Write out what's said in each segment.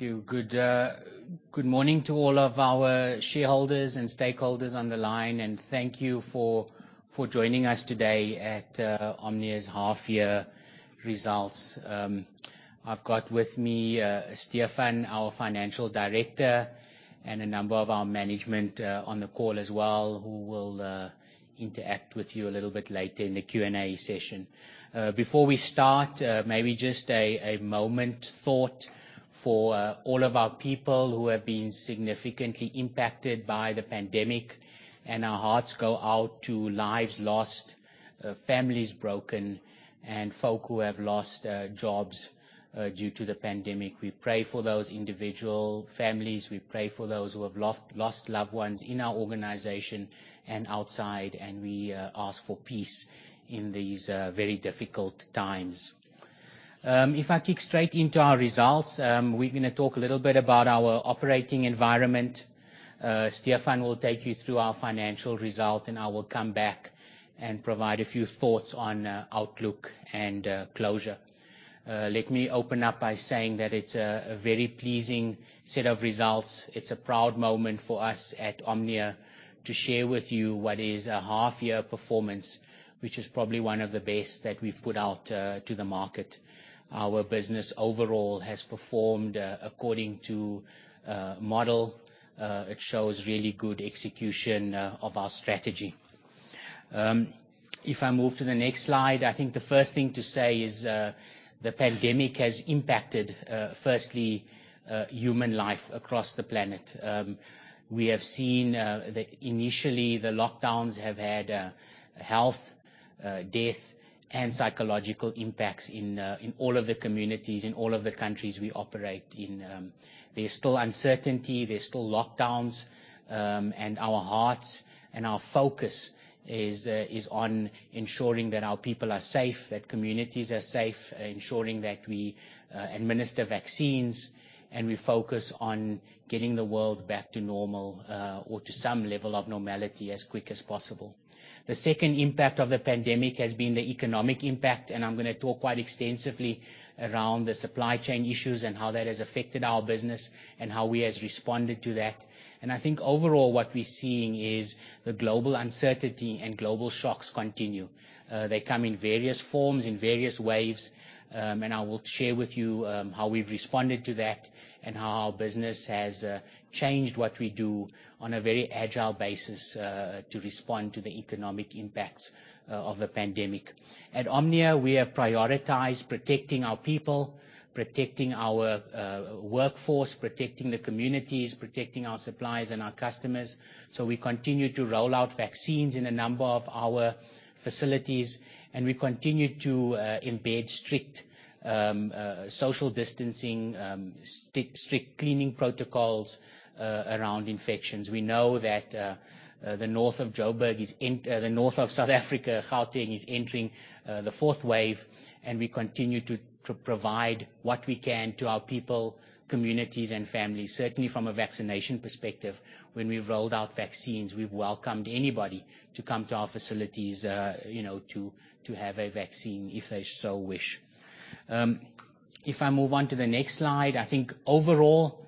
Thank you. Good morning to all of our shareholders and stakeholders on the line, and thank you for joining us today at Omnia's half year results. I've got with me Stephan, our financial director, and a number of our management on the call as well, who will interact with you a little bit later in the Q&A session. Before we start, maybe just a moment thought for all of our people who have been significantly impacted by the pandemic, and our hearts go out to lives lost, families broken, and folk who have lost jobs due to the pandemic. We pray for those individual families. We pray for those who have lost loved ones in our organization and outside, and we ask for peace in these very difficult times. If I kick straight into our results, we're gonna talk a little bit about our operating environment. Stephan will take you through our financial result, and I will come back and provide a few thoughts on outlook and closure. Let me open up by saying that it's a very pleasing set of results. It's a proud moment for us at Omnia to share with you what is a half year performance, which is probably one of the best that we've put out to the market. Our business overall has performed according to model. It shows really good execution of our strategy. If I move to the next slide, I think the first thing to say is the pandemic has impacted, firstly, human life across the planet. We have seen the... Initially, the lockdowns have had health, death, and psychological impacts in all of the communities, in all of the countries we operate in. There's still uncertainty. There's still lockdowns. Our hearts and our focus is on ensuring that our people are safe, that communities are safe, ensuring that we administer vaccines, and we focus on getting the world back to normal, or to some level of normality as quick as possible. The second impact of the pandemic has been the economic impact, and I'm gonna talk quite extensively around the supply chain issues and how that has affected our business and how we has responded to that. I think overall what we're seeing is the global uncertainty and global shocks continue. They come in various forms, in various waves, and I will share with you how we've responded to that and how our business has changed what we do on a very agile basis to respond to the economic impacts of the pandemic. At Omnia, we have prioritized protecting our people, protecting our workforce, protecting the communities, protecting our suppliers and our customers. We continue to roll out vaccines in a number of our facilities, and we continue to embed strict social distancing, strict cleaning protocols around infections. We know that the north of South Africa, Gauteng, is entering the fourth wave, and we continue to provide what we can to our people, communities, and families. Certainly, from a vaccination perspective, when we've rolled out vaccines, we've welcomed anybody to come to our facilities, you know, to have a vaccine if they so wish. If I move on to the next slide, I think overall,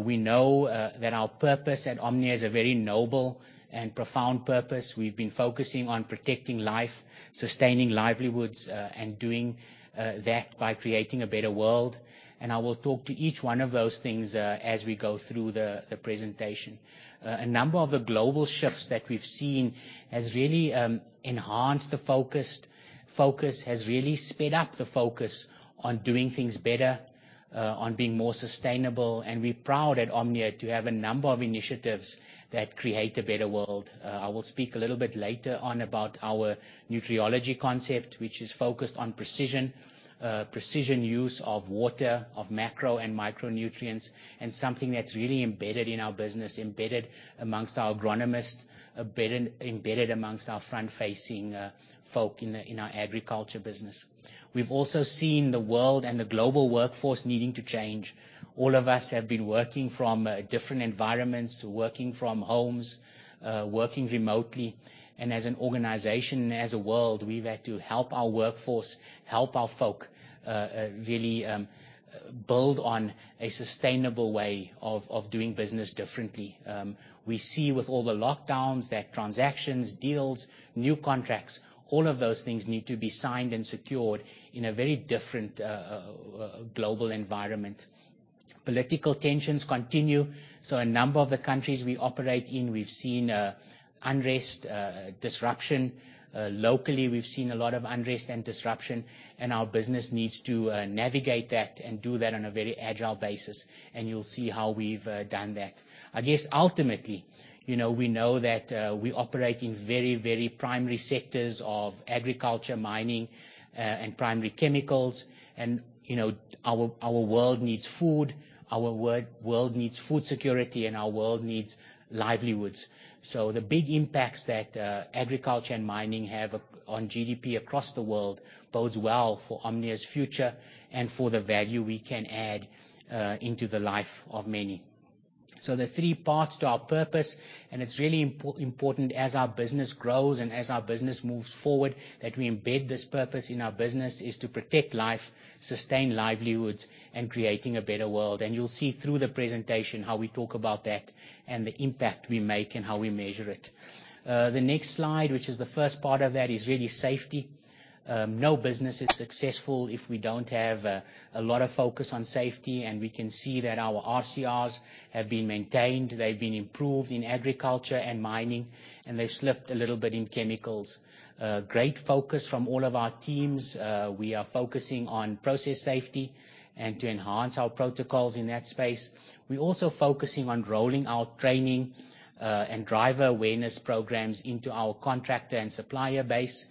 we know that our purpose at Omnia is a very noble and profound purpose. We've been focusing on protecting life, sustaining livelihoods, and doing that by creating a better world, and I will talk to each one of those things as we go through the presentation. A number of the global shifts that we've seen has really enhanced the focus. Has really sped up the focus on doing things better, on being more sustainable, and we're proud at Omnia to have a number of initiatives that create a better world. I will speak a little bit later on about our Nutriology concept, which is focused on precision use of water, of macro and micronutrients, and something that's really embedded in our business, embedded amongst our agronomists, embedded amongst our front-facing folk in our agriculture business. We've also seen the world and the global workforce needing to change. All of us have been working from different environments, working from homes, working remotely. As an organization and as a world, we've had to help our workforce, help our folk really build on a sustainable way of doing business differently. We see with all the lockdowns that transactions, deals, new contracts, all of those things need to be signed and secured in a very different global environment. Political tensions continue. A number of the countries we operate in, we've seen unrest, disruption. Locally, we've seen a lot of unrest and disruption, and our business needs to navigate that and do that on a very agile basis, and you'll see how we've done that. I guess ultimately, you know, we know that we operate in very, very primary sectors of agriculture, mining, and primary chemicals. You know, our world needs food, our world needs food security, and our world needs livelihoods. The big impacts that agriculture and mining have on GDP across the world bodes well for Omnia's future and for the value we can add into the life of many. The three parts to our purpose, and it's really important as our business grows and as our business moves forward, that we embed this purpose in our business, is to protect life, sustain livelihoods, and creating a better world. You'll see through the presentation how we talk about that and the impact we make and how we measure it. The next slide, which is the first part of that, is really safety. No business is successful if we don't have a lot of focus on safety, and we can see that our RCRs have been maintained. They've been improved in agriculture and mining, and they've slipped a little bit in chemicals. Great focus from all of our teams. We are focusing on process safety and to enhance our protocols in that space. We're also focusing on rolling out training and driver awareness programs into our contractor and supplier base.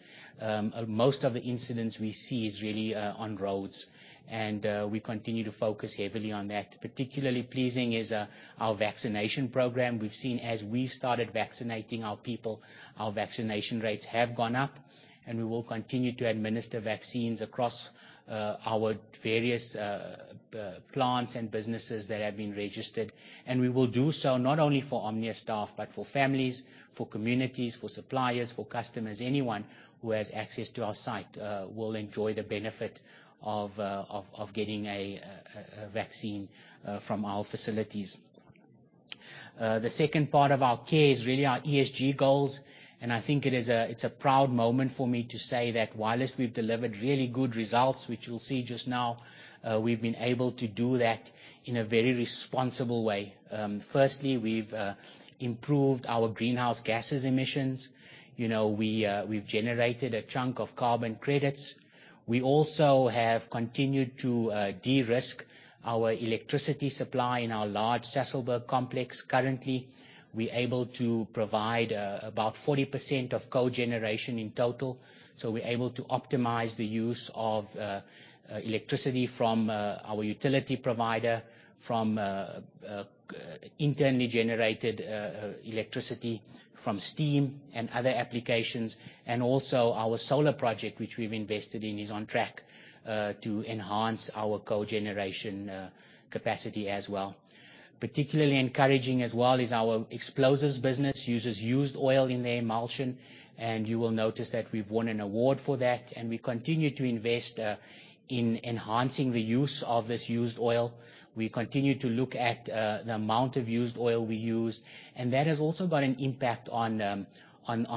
Most of the incidents we see is really on roads, and we continue to focus heavily on that. Particularly pleasing is our vaccination program. We've seen as we started vaccinating our people, our vaccination rates have gone up, and we will continue to administer vaccines across our various plants and businesses that have been registered. We will do so not only for Omnia staff, but for families, for communities, for suppliers, for customers. Anyone who has access to our site will enjoy the benefit of getting a vaccine from our facilities. The second part of our care is really our ESG goals, and I think it is a proud moment for me to say that whilst we've delivered really good results, which we'll see just now, we've been able to do that in a very responsible way. Firstly, we've improved our greenhouse gas emissions. You know, we've generated a chunk of carbon credits. We also have continued to de-risk our electricity supply in our large Sasolburg complex. Currently, we're able to provide about 40% of cogeneration in total, so we're able to optimize the use of electricity from our utility provider, from internally generated electricity from steam and other applications. Our solar project, which we've invested in, is on track to enhance our cogeneration capacity as well. Particularly encouraging as well is our explosives business uses used oil in their emulsion, and you will notice that we've won an award for that, and we continue to invest in enhancing the use of this used oil. We continue to look at the amount of used oil we use, and that has also got an impact on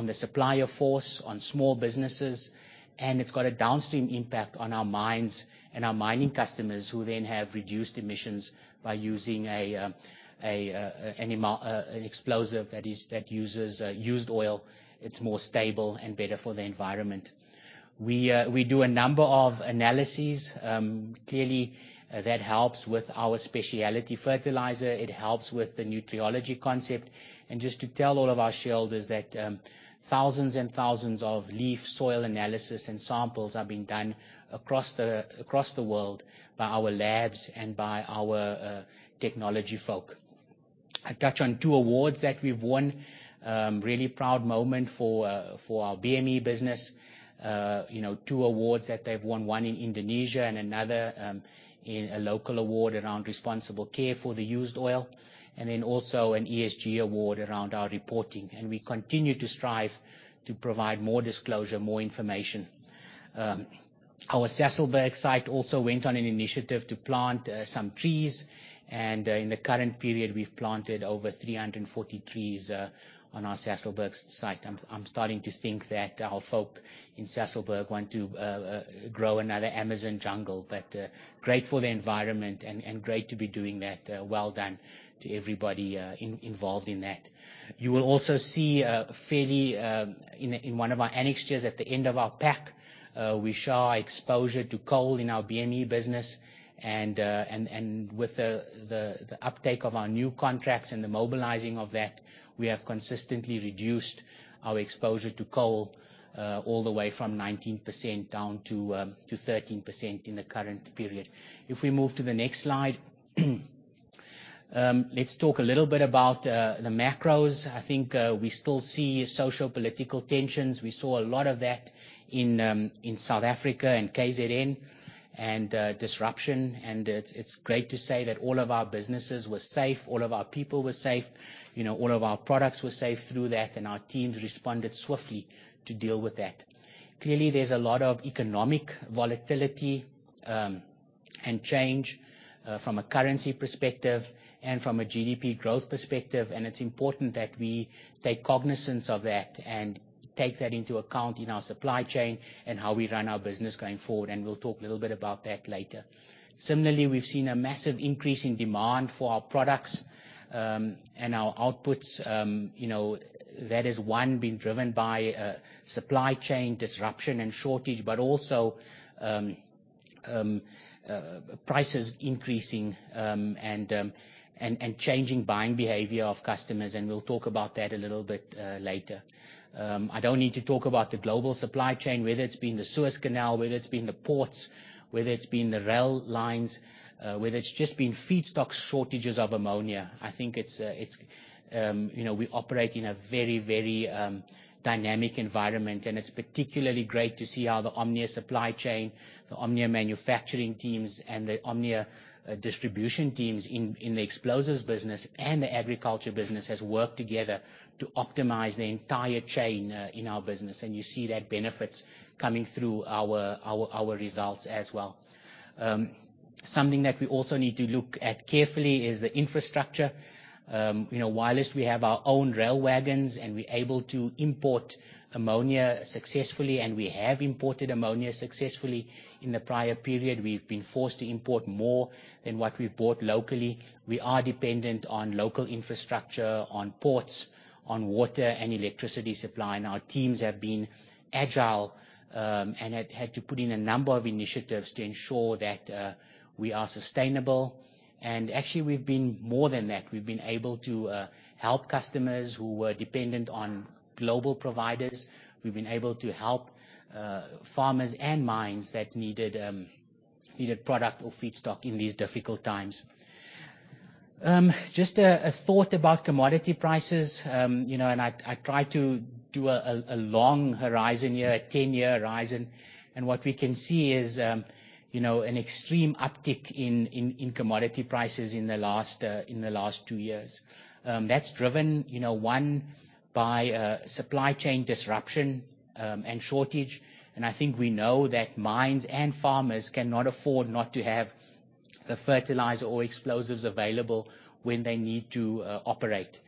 the supplier force, on small businesses, and it's got a downstream impact on our mines and our mining customers who then have reduced emissions by using an explosive that uses used oil. It's more stable and better for the environment. We do a number of analyses. Clearly, that helps with our specialty fertilizer. It helps with the Nutriology concept. Just to tell all of our shareholders that thousands and thousands of leaf soil analysis and samples are being done across the world by our labs and by our technology folk. I touch on two awards that we've won. Really proud moment for our BME business. You know, two awards that they've won, one in Indonesia and another in a local award around responsible care for the used oil, and then also an ESG award around our reporting. We continue to strive to provide more disclosure, more information. Our Sasolburg site also went on an initiative to plant some trees. In the current period, we've planted over 340 trees on our Sasolburg site. I'm starting to think that our folk in Sasolburg want to grow another Amazon jungle. Great for the environment and great to be doing that. Well done to everybody involved in that. You will also see, fairly, in one of our annexures at the end of our pack, we show our exposure to coal in our BME business. With the uptake of our new contracts and the mobilizing of that, we have consistently reduced our exposure to coal all the way from 19% down to 13% in the current period. If we move to the next slide, let's talk a little bit about the macros. I think we still see social political tensions. We saw a lot of that in South Africa and KZN and disruption. It's great to say that all of our businesses were safe, all of our people were safe, you know, all of our products were safe through that, and our teams responded swiftly to deal with that. Clearly, there's a lot of economic volatility and change from a currency perspective and from a GDP growth perspective, and it's important that we take cognizance of that and take that into account in our supply chain and how we run our business going forward, and we'll talk a little bit about that later. Similarly, we've seen a massive increase in demand for our products and our outputs. You know, that is one being driven by supply chain disruption and shortage, but also prices increasing, and changing buying behavior of customers, and we'll talk about that a little bit later. I don't need to talk about the global supply chain, whether it's been the Suez Canal, whether it's been the ports, whether it's been the rail lines, whether it's just been feedstock shortages of ammonia. I think it's, you know, we operate in a very dynamic environment, and it's particularly great to see how the Omnia supply chain, the Omnia manufacturing teams and the Omnia distribution teams in the explosives business and the agriculture business has worked together to optimize the entire chain in our business. You see that benefit's coming through our results as well. Something that we also need to look at carefully is the infrastructure. You know, whilst we have our own rail wagons, and we're able to import ammonia successfully, and we have imported ammonia successfully in the prior period. We've been forced to import more than what we bought locally. We are dependent on local infrastructure, on ports, on water and electricity supply, and our teams have been agile and have had to put in a number of initiatives to ensure that we are sustainable. Actually, we've been more than that. We've been able to help customers who were dependent on global providers. We've been able to help farmers and mines that needed either product or feedstock in these difficult times. Just a thought about commodity prices. You know, I try to do a long horizon, a 10-year horizon. What we can see is, you know, an extreme uptick in commodity prices in the last two years. That's driven, you know, one by supply chain disruption and shortage. I think we know that mines and farmers cannot afford not to have the fertilizer or explosives available when they need to operate.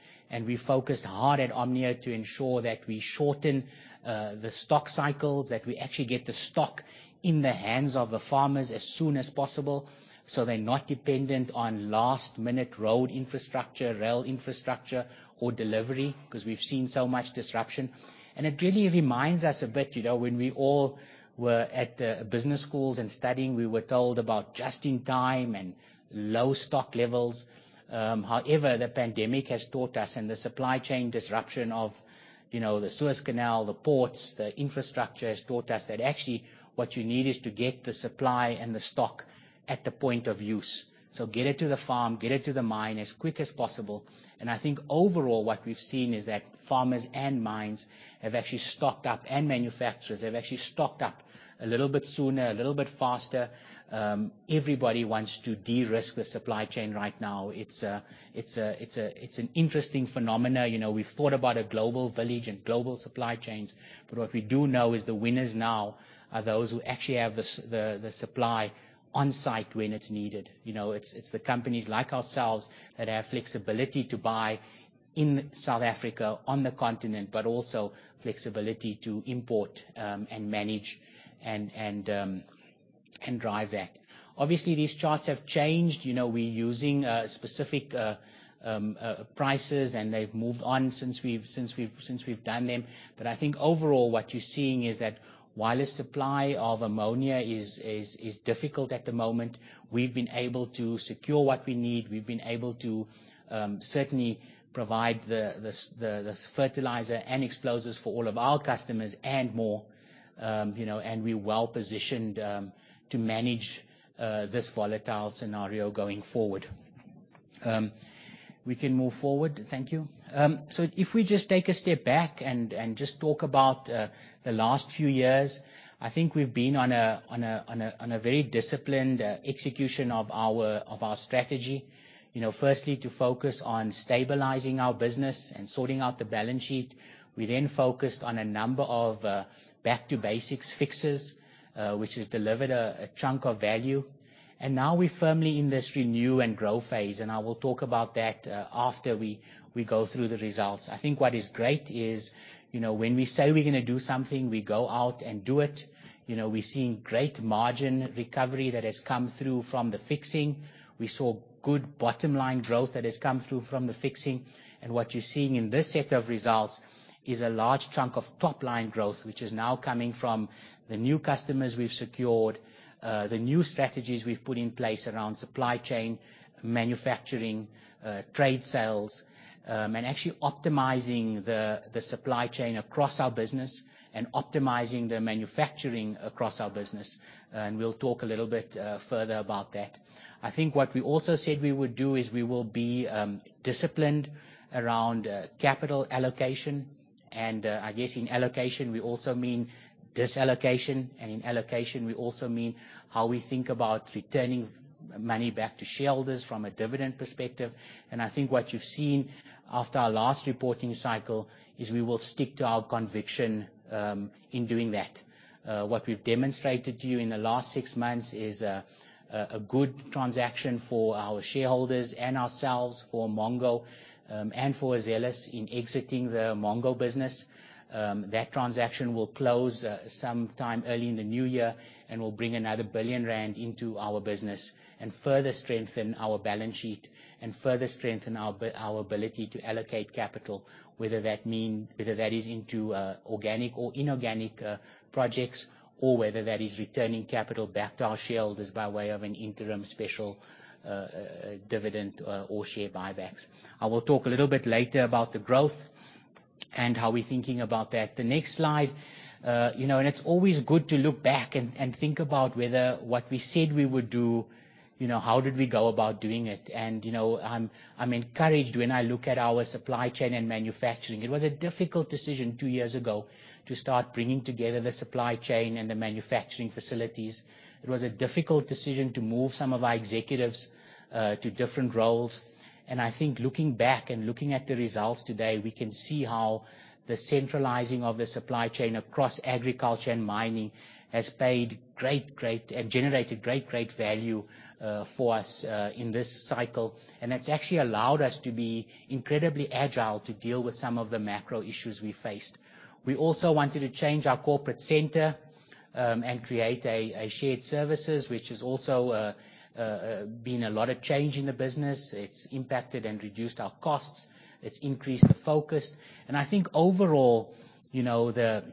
We focused hard at Omnia to ensure that we shorten the stock cycles, that we actually get the stock in the hands of the farmers as soon as possible, so they're not dependent on last-minute road infrastructure, rail infrastructure, or delivery, 'cause we've seen so much disruption. It really reminds us a bit, you know, when we all were at business schools and studying, we were told about just in time and low stock levels. However, the pandemic has taught us and the supply chain disruption of, you know, the Suez Canal, the ports, the infrastructure, has taught us that actually what you need is to get the supply and the stock at the point of use. Get it to the farm, get it to the mine as quick as possible. I think overall what we've seen is that farmers and mines have actually stocked up, and manufacturers have actually stocked up a little bit sooner, a little bit faster. Everybody wants to de-risk the supply chain right now. It's an interesting phenomenon. You know, we've thought about a global village and global supply chains, but what we do know is the winners now are those who actually have the supply on site when it's needed. You know, it's the companies like ourselves that have flexibility to buy in South Africa, on the continent, but also flexibility to import, and manage and drive that. Obviously, these charts have changed. You know, we're using specific prices, and they've moved on since we've done them. I think overall what you're seeing is that while the supply of ammonia is difficult at the moment, we've been able to secure what we need. We've been able to certainly provide the fertilizer and explosives for all of our customers and more. You know, we're well-positioned to manage this volatile scenario going forward. We can move forward. Thank you. If we just take a step back and just talk about the last few years, I think we've been on a very disciplined execution of our strategy. You know, firstly, to focus on stabilizing our business and sorting out the balance sheet. We then focused on a number of back to basics fixes, which has delivered a chunk of value. Now we're firmly in this renew and grow phase, and I will talk about that after we go through the results. I think what is great is, you know, when we say we're gonna do something, we go out and do it. You know, we're seeing great margin recovery that has come through from the fixing. We saw good bottom line growth that has come through from the fixing. What you're seeing in this set of results is a large chunk of top-line growth, which is now coming from the new customers we've secured, the new strategies we've put in place around supply chain, manufacturing, trade sales, and actually optimizing the supply chain across our business and optimizing the manufacturing across our business. We'll talk a little bit further about that. I think what we also said we would do is we will be disciplined around capital allocation. I guess in allocation, we also mean dis-allocation, and in allocation, we also mean how we think about returning money back to shareholders from a dividend perspective. I think what you've seen after our last reporting cycle is we will stick to our conviction in doing that. What we've demonstrated to you in the last six months is a good transaction for our shareholders and ourselves, for Umongo, and for Azelis in exiting the Umongo business. That transaction will close sometime early in the new year and will bring 1 billion rand into our business and further strengthen our balance sheet and further strengthen our ability to allocate capital, whether that is into organic or inorganic projects, or whether that is returning capital back to our shareholders by way of an interim special dividend or share buybacks. I will talk a little bit later about the growth and how we're thinking about that. The next slide. You know, it's always good to look back and think about whether what we said we would do, you know, how did we go about doing it? You know, I'm encouraged when I look at our supply chain and manufacturing. It was a difficult decision two years ago to start bringing together the supply chain and the manufacturing facilities. It was a difficult decision to move some of our executives to different roles. I think looking back and looking at the results today, we can see how the centralizing of the supply chain across agriculture and mining has paid great and generated great value for us in this cycle. It's actually allowed us to be incredibly agile to deal with some of the macro issues we faced. We also wanted to change our corporate center, and create a shared services, which has also been a lot of change in the business. It's impacted and reduced our costs. It's increased the focus. I think overall, you know, the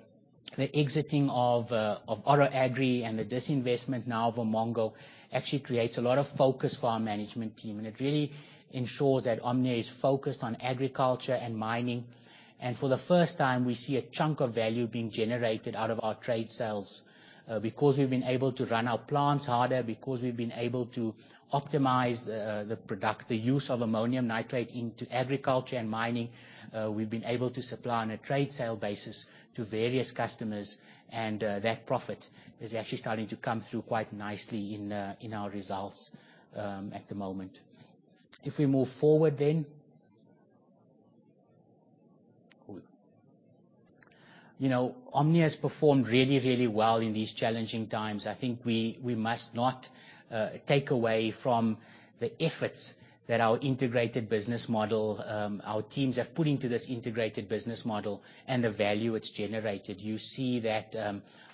exiting of Oro Agri and the disinvestment now of Umongo actually creates a lot of focus for our management team, and it really ensures that Omnia is focused on agriculture and mining. For the first time, we see a chunk of value being generated out of our trade sales, because we've been able to run our plants harder, because we've been able to optimize the product, the use of ammonium nitrate into agriculture and mining. We've been able to supply on a trade sale basis to various customers, and that profit is actually starting to come through quite nicely in our results at the moment. If we move forward then. Cool. You know, Omnia has performed really well in these challenging times. I think we must not take away from the efforts that our integrated business model, our teams have put into this integrated business model and the value it's generated. You see that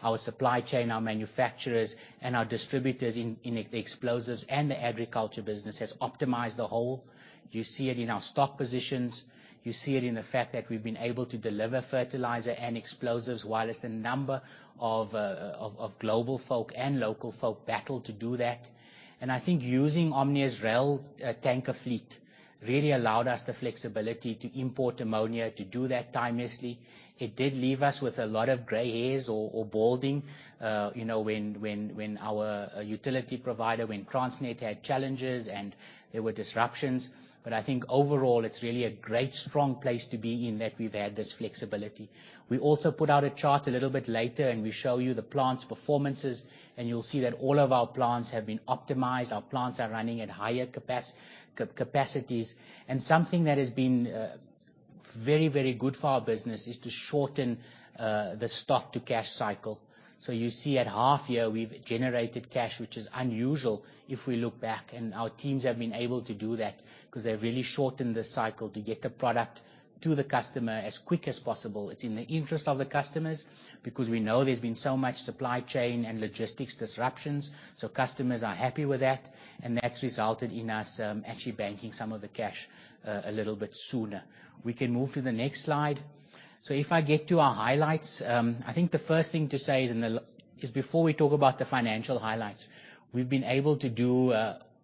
our supply chain, our manufacturers, and our distributors in explosives and the agriculture business has optimized the whole. You see it in our stock positions. You see it in the fact that we've been able to deliver fertilizer and explosives while a number of global folk and local folk battle to do that. I think using Omnia's rail tanker fleet really allowed us the flexibility to import ammonia to do that timely. It did leave us with a lot of gray hairs or balding you know when our utility provider when Transnet had challenges and there were disruptions. I think overall, it's really a great strong place to be in that we've had this flexibility. We also put out a chart a little bit later, and we show you the plant's performances, and you'll see that all of our plants have been optimized. Our plants are running at higher capacities. Something that has been very good for our business is to shorten the stock to cash cycle. You see at half year we've generated cash, which is unusual if we look back. Our teams have been able to do that 'cause they've really shortened the cycle to get the product to the customer as quick as possible. It's in the interest of the customers because we know there's been so much supply chain and logistics disruptions, so customers are happy with that, and that's resulted in us, actually banking some of the cash a little bit sooner. We can move to the next slide. If I get to our highlights, I think the first thing to say is before we talk about the financial highlights. We've been able to do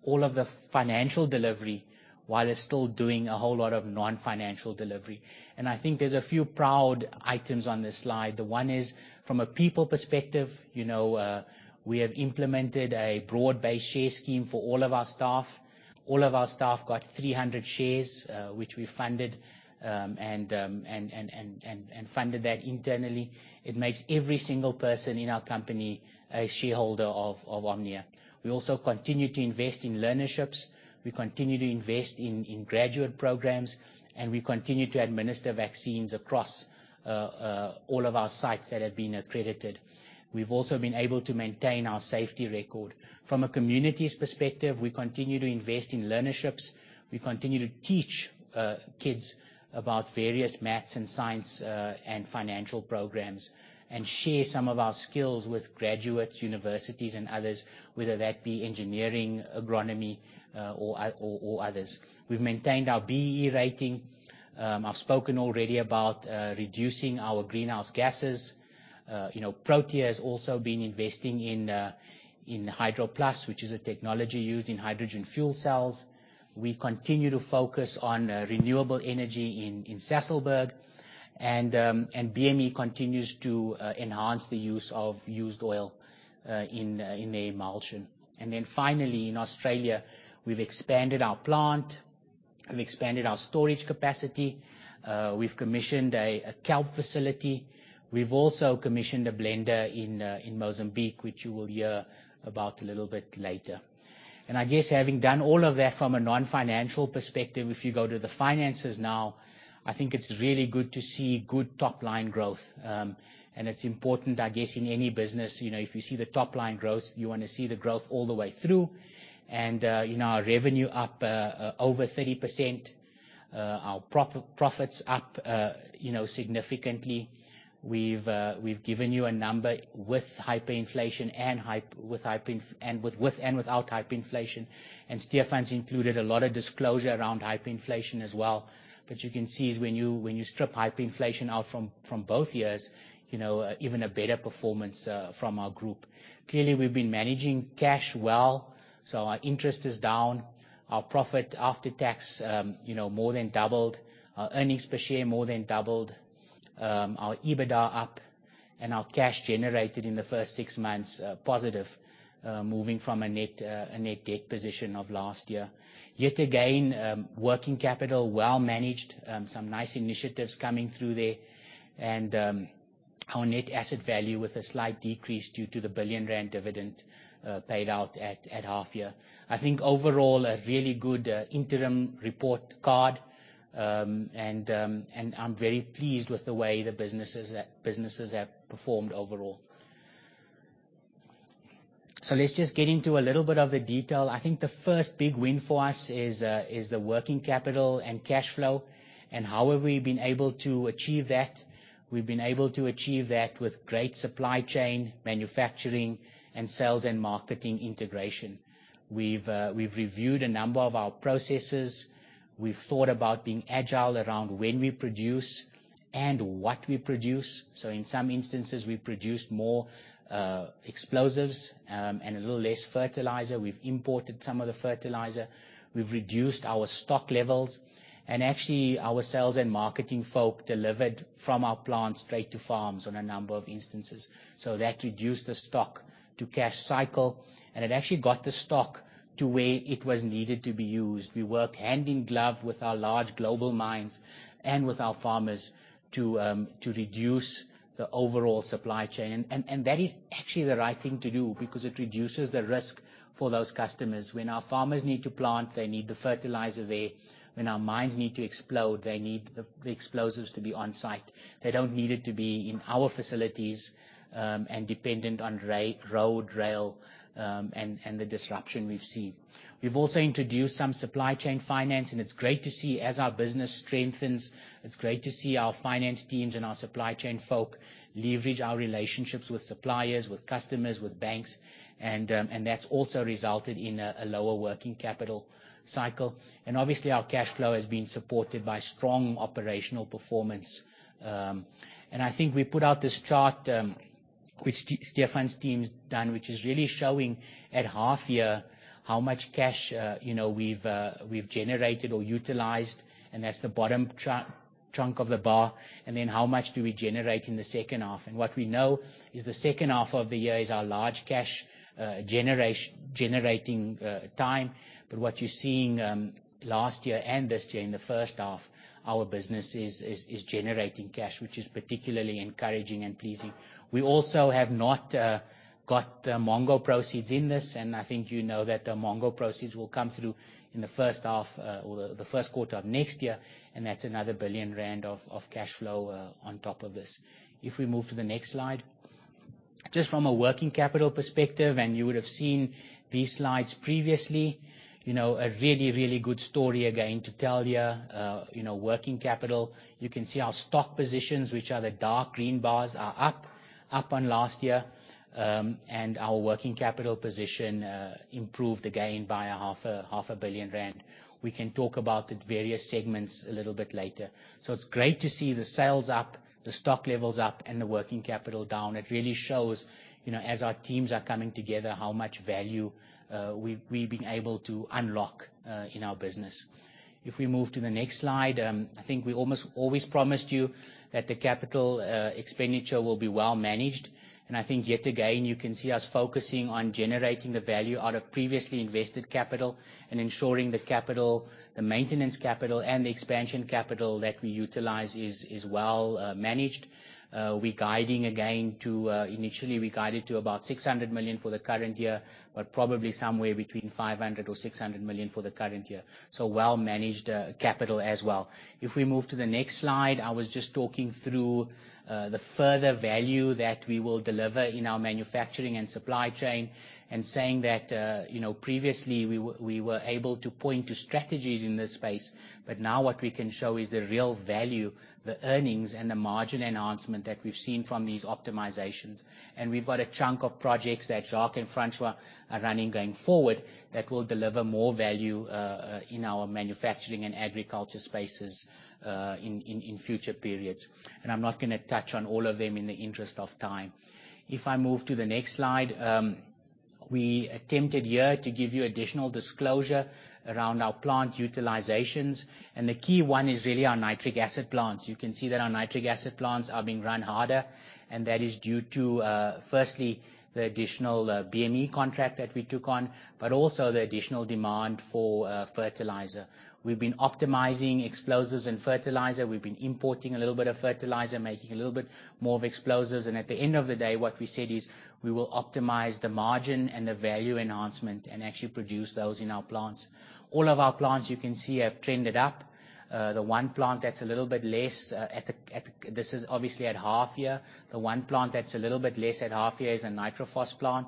all of the financial delivery while still doing a whole lot of non-financial delivery. I think there's a few proud items on this slide. The one is from a people perspective, you know, we have implemented a broad-based share scheme for all of our staff. All of our staff got 300 shares, which we funded and funded that internally. It makes every single person in our company a shareholder of Omnia. We also continue to invest in learnerships. We continue to invest in graduate programs, and we continue to administer vaccines across all of our sites that have been accredited. We've also been able to maintain our safety record. From a communities perspective, we continue to invest in learnerships. We continue to teach kids about various math and science and financial programs, and share some of our skills with graduates, universities, and others, whether that be engineering, agronomy, or others. We've maintained our BEE rating. I've spoken already about reducing our greenhouse gases. You know, Protea has also been investing in HydroPlus, which is a technology used in hydrogen fuel cells. We continue to focus on renewable energy in Sasolburg. BME continues to enhance the use of used oil in an emulsion. Then finally, in Australia, we've expanded our plant. We've expanded our storage capacity. We've commissioned a kelp facility. We've also commissioned a blender in Mozambique, which you will hear about a little bit later. I guess having done all of that from a non-financial perspective, if you go to the finances now, I think it's really good to see good top-line growth. It's important, I guess, in any business, you know, if you see the top-line growth, you wanna see the growth all the way through. You know, our revenue up over 30%, our profits up, you know, significantly. We've given you a number with hyperinflation and with and without hyperinflation. Stephan's included a lot of disclosure around hyperinflation as well. You can see, when you strip hyperinflation out from both years, you know, even a better performance from our group. Clearly, we've been managing cash well, so our interest is down. Our profit after tax, you know, more than doubled. Our earnings per share more than doubled. Our EBITDA up and our cash generated in the first six months positive, moving from a net debt position of last year. Yet again, working capital well managed. Some nice initiatives coming through there. Our net asset value with a slight decrease due to the 1 billion rand dividend paid out at half year. I think overall, a really good interim report card. I'm very pleased with the way the businesses have performed overall. Let's just get into a little bit of the detail. I think the first big win for us is the working capital and cash flow and how we have been able to achieve that. We've been able to achieve that with great supply chain, manufacturing and sales and marketing integration. We've reviewed a number of our processes. We've thought about being agile around when we produce and what we produce. In some instances, we've produced more explosives and a little less fertilizer. We've imported some of the fertilizer. We've reduced our stock levels, and actually, our sales and marketing folk delivered from our plants straight to farms on a number of instances. That reduced the stock to cash cycle, and it actually got the stock to where it was needed to be used. We work hand in glove with our large global mines and with our farmers to reduce the overall supply chain. That is actually the right thing to do because it reduces the risk for those customers. When our farmers need to plant, they need the fertilizer there. When our mines need to explode, they need the explosives to be on site. They don't need it to be in our facilities and dependent on road, rail, and the disruption we've seen. We've also introduced some supply chain finance, and it's great to see as our business strengthens. It's great to see our finance teams and our supply chain folk leverage our relationships with suppliers, with customers, with banks, and that's also resulted in a lower working capital cycle. Obviously, our cash flow has been supported by strong operational performance. I think we put out this chart, which Stephan's team has done, which is really showing at half year how much cash, you know, we've generated or utilized, and that's the bottom chunk of the bar. How much do we generate in the second half? What we know is the second half of the year is our large cash generating time. What you're seeing last year and this year in the first half, our business is generating cash, which is particularly encouraging and pleasing. We also have not got the Umongo proceeds in this, and I think you know that the Umongo proceeds will come through in the first half or the first quarter of next year, and that's another 1 billion rand of cash flow on top of this. If we move to the next slide. Just from a working capital perspective, and you would have seen these slides previously, you know, a really good story again to tell here. You know, working capital, you can see our stock positions, which are the dark green bars, are up on last year. Our working capital position improved again by ZAR half a billion. We can talk about the various segments a little bit later. It's great to see the sales up, the stock levels up, and the working capital down. It really shows, you know, as our teams are coming together, how much value we've been able to unlock in our business. If we move to the next slide, I think we almost always promised you that the capital expenditure will be well managed. I think yet again, you can see us focusing on generating the value out of previously invested capital and ensuring the capital, the maintenance capital and the expansion capital that we utilize is well managed. We're guiding again to, initially, we guided to about 600 million for the current year, but probably somewhere between 500-600 million for the current year. Well-managed capital as well. If we move to the next slide, I was just talking through the further value that we will deliver in our manufacturing and supply chain and saying that, you know, previously we were able to point to strategies in this space, but now what we can show is the real value, the earnings and the margin enhancement that we've seen from these optimizations. We've got a chunk of projects that Jacques and Francois are running going forward that will deliver more value in our manufacturing and agriculture spaces in future periods. I'm not gonna touch on all of them in the interest of time. If I move to the next slide, we attempted here to give you additional disclosure around our plant utilizations, and the key one is really our nitric acid plants. You can see that our nitric acid plants are being run harder, and that is due to firstly the additional BME contract that we took on, but also the additional demand for fertilizer. We've been optimizing explosives and fertilizer. We've been importing a little bit of fertilizer, making a little bit more of explosives. At the end of the day, what we said is we will optimize the margin and the value enhancement and actually produce those in our plants. All of our plants, you can see, have trended up. The one plant that's a little bit less at half year is a Nitrophos plant.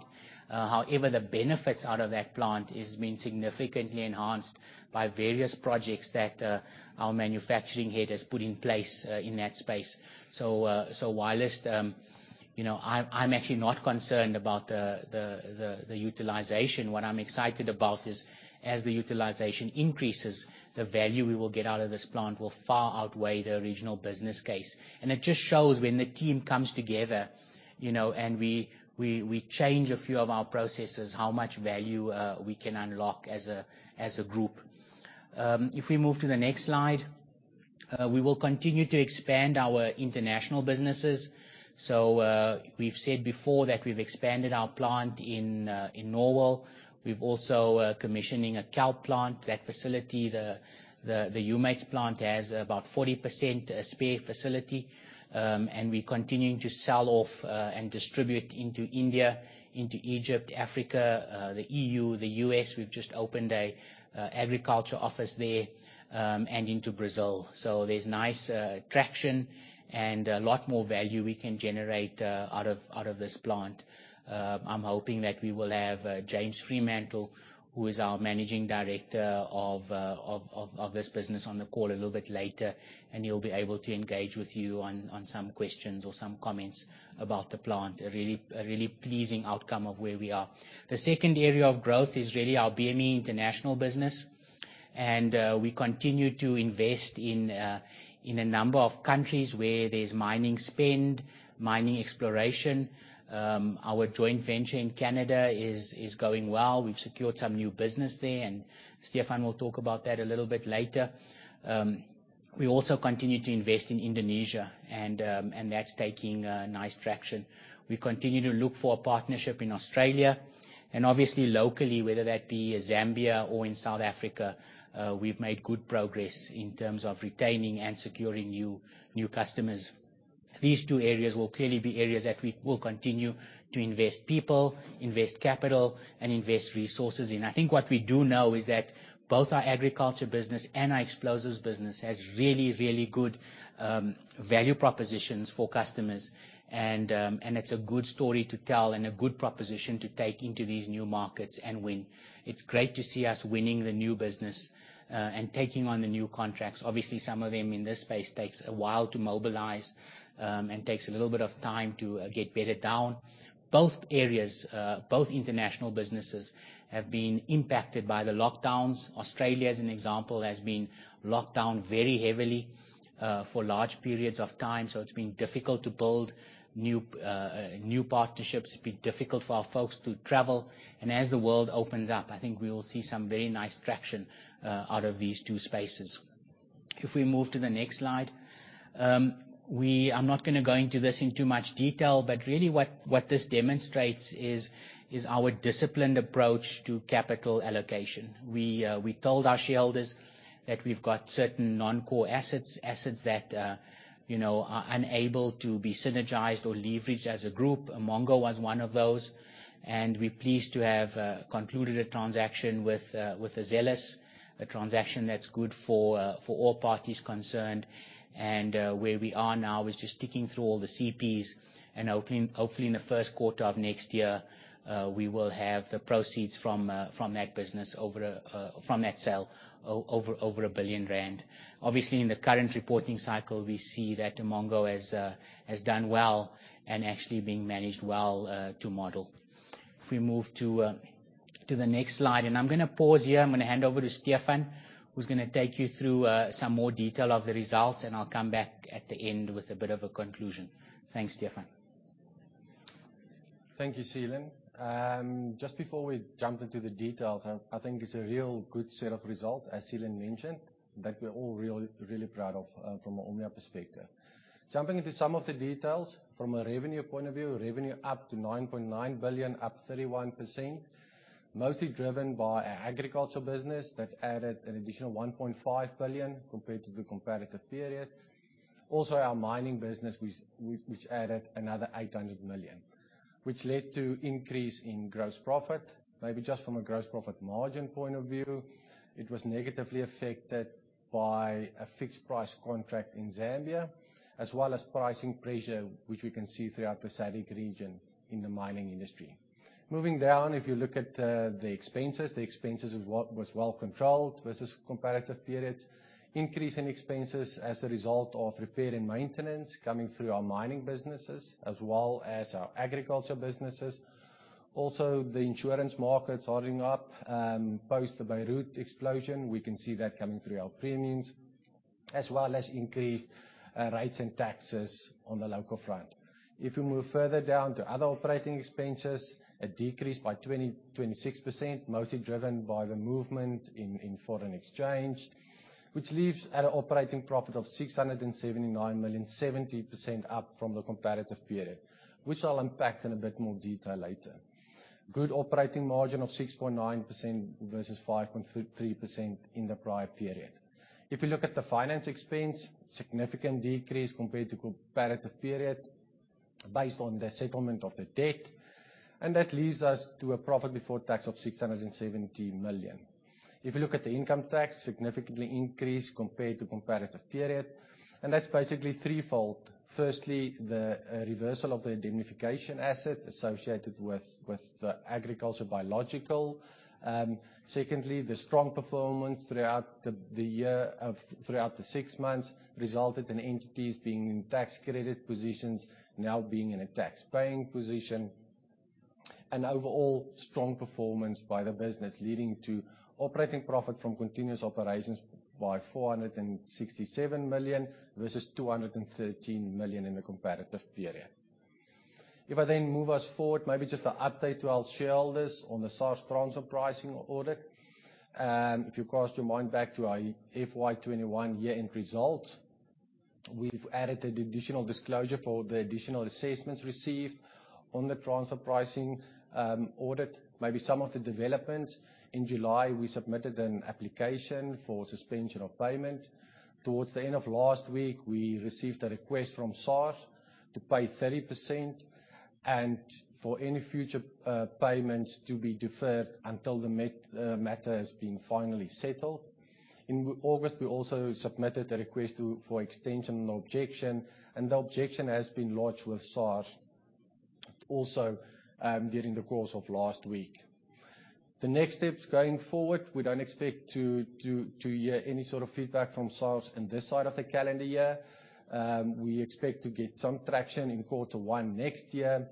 However, the benefits out of that plant is been significantly enhanced by various projects that our manufacturing head has put in place in that space. Whilst you know, I'm actually not concerned about the utilization. What I'm excited about is, as the utilization increases, the value we will get out of this plant will far outweigh the original business case. It just shows when the team comes together, you know, and we change a few of our processes, how much value we can unlock as a group. If we move to the next slide, we will continue to expand our international businesses. We've said before that we've expanded our plant in Morwell. We've also commissioned a kelp plant. That facility, the humates plant, has about 40% spare capacity, and we're continuing to sell and distribute into India, into Egypt, Africa, the E.U., the U.S. We've just opened an agriculture office there and into Brazil. There's nice traction and a lot more value we can generate out of this plant. I'm hoping that we will have James Freemantle, who is our Managing Director of this business, on the call a little bit later, and he'll be able to engage with you on some questions or some comments about the plant. A really pleasing outcome of where we are. The second area of growth is really our BME international business, and we continue to invest in a number of countries where there's mining spend, mining exploration. Our joint venture in Canada is going well. We've secured some new business there, and Stephan will talk about that a little bit later. We also continue to invest in Indonesia and that's taking nice traction. We continue to look for a partnership in Australia, and obviously locally, whether that be Zambia or in South Africa, we've made good progress in terms of retaining and securing new customers. These two areas will clearly be areas that we will continue to invest people, invest capital, and invest resources in. I think what we do know is that both our agriculture business and our explosives business has really good value propositions for customers. It's a good story to tell and a good proposition to take into these new markets and win. It's great to see us winning the new business and taking on the new contracts. Obviously, some of them in this space takes a while to mobilize and takes a little bit of time to get bedded down. Both areas, both international businesses have been impacted by the lockdowns. Australia, as an example, has been locked down very heavily, for large periods of time, so it's been difficult to build new partnerships. It's been difficult for our folks to travel. As the world opens up, I think we will see some very nice traction out of these two spaces. If we move to the next slide. I'm not gonna go into this in too much detail, but really what this demonstrates is our disciplined approach to capital allocation. We told our shareholders that we've got certain non-core assets that you know are unable to be synergized or leveraged as a group. Umongo was one of those, and we're pleased to have concluded a transaction with Azelis, a transaction that's good for all parties concerned. Where we are now is just ticking through all the CPs and hopefully, in the first quarter of next year, we will have the proceeds from that business over 1 billion rand from that sale. Obviously, in the current reporting cycle, we see that Umongo has done well and actually being managed well to model. If we move to the next slide. I'm gonna pause here. I'm gonna hand over to Stephan, who's gonna take you through some more detail of the results, and I'll come back at the end with a bit of a conclusion. Thanks, Stephan. Thank you, Seelan. Just before we jump into the details, I think it's a real good set of results, as Seelan mentioned, that we're all really, really proud of, from an Omnia perspective. Jumping into some of the details, from a revenue point of view, revenue up to 9.9 billion, up 31%, mostly driven by our agriculture business that added an additional 1.5 billion compared to the comparative period. Also, our mining business, which added another 800 million, which led to increase in gross profit. Maybe just from a gross profit margin point of view, it was negatively affected by a fixed price contract in Zambia, as well as pricing pressure, which we can see throughout the SADC region in the mining industry. Moving down, if you look at the expenses, the expenses was well controlled versus comparative periods. Increase in expenses as a result of repair and maintenance coming through our mining businesses as well as our agriculture businesses. Also, the insurance markets hardening up post the Beirut explosion. We can see that coming through our premiums, as well as increased rates and taxes on the local front. If we move further down to other operating expenses, a decrease by 26%, mostly driven by the movement in foreign exchange, which leaves at an operating profit of 679 million, 70% up from the comparative period, which I'll unpack in a bit more detail later. Good operating margin of 6.9% versus 5.3% in the prior period. If you look at the finance expense, significant decrease compared to comparative period based on the settlement of the debt. That leaves us to a profit before tax of 670 million. If you look at the income tax, significantly increased compared to comparative period, and that's basically threefold. Firstly, the reversal of the indemnification asset associated with the agriculture biological. Secondly, the strong performance throughout the six months resulted in entities being in tax credit positions now being in a tax-paying position. Overall strong performance by the business, leading to operating profit from continuing operations of 467 million versus 213 million in the comparative period. If I then move us forward, maybe just an update to our shareholders on the SARS transfer pricing audit. If you cast your mind back to our FY 2021 year-end result, we've added the additional disclosure for the additional assessments received on the transfer pricing audit. Maybe some of the developments. In July, we submitted an application for suspension of payment. Towards the end of last week, we received a request from SARS to pay 30%, and for any future payments to be deferred until the matter has been finally settled. In August, we also submitted a request for extension and objection, and the objection has been lodged with SARS also during the course of last week. The next steps going forward, we don't expect to hear any sort of feedback from SARS on this side of the calendar year. We expect to get some traction in quarter one next year,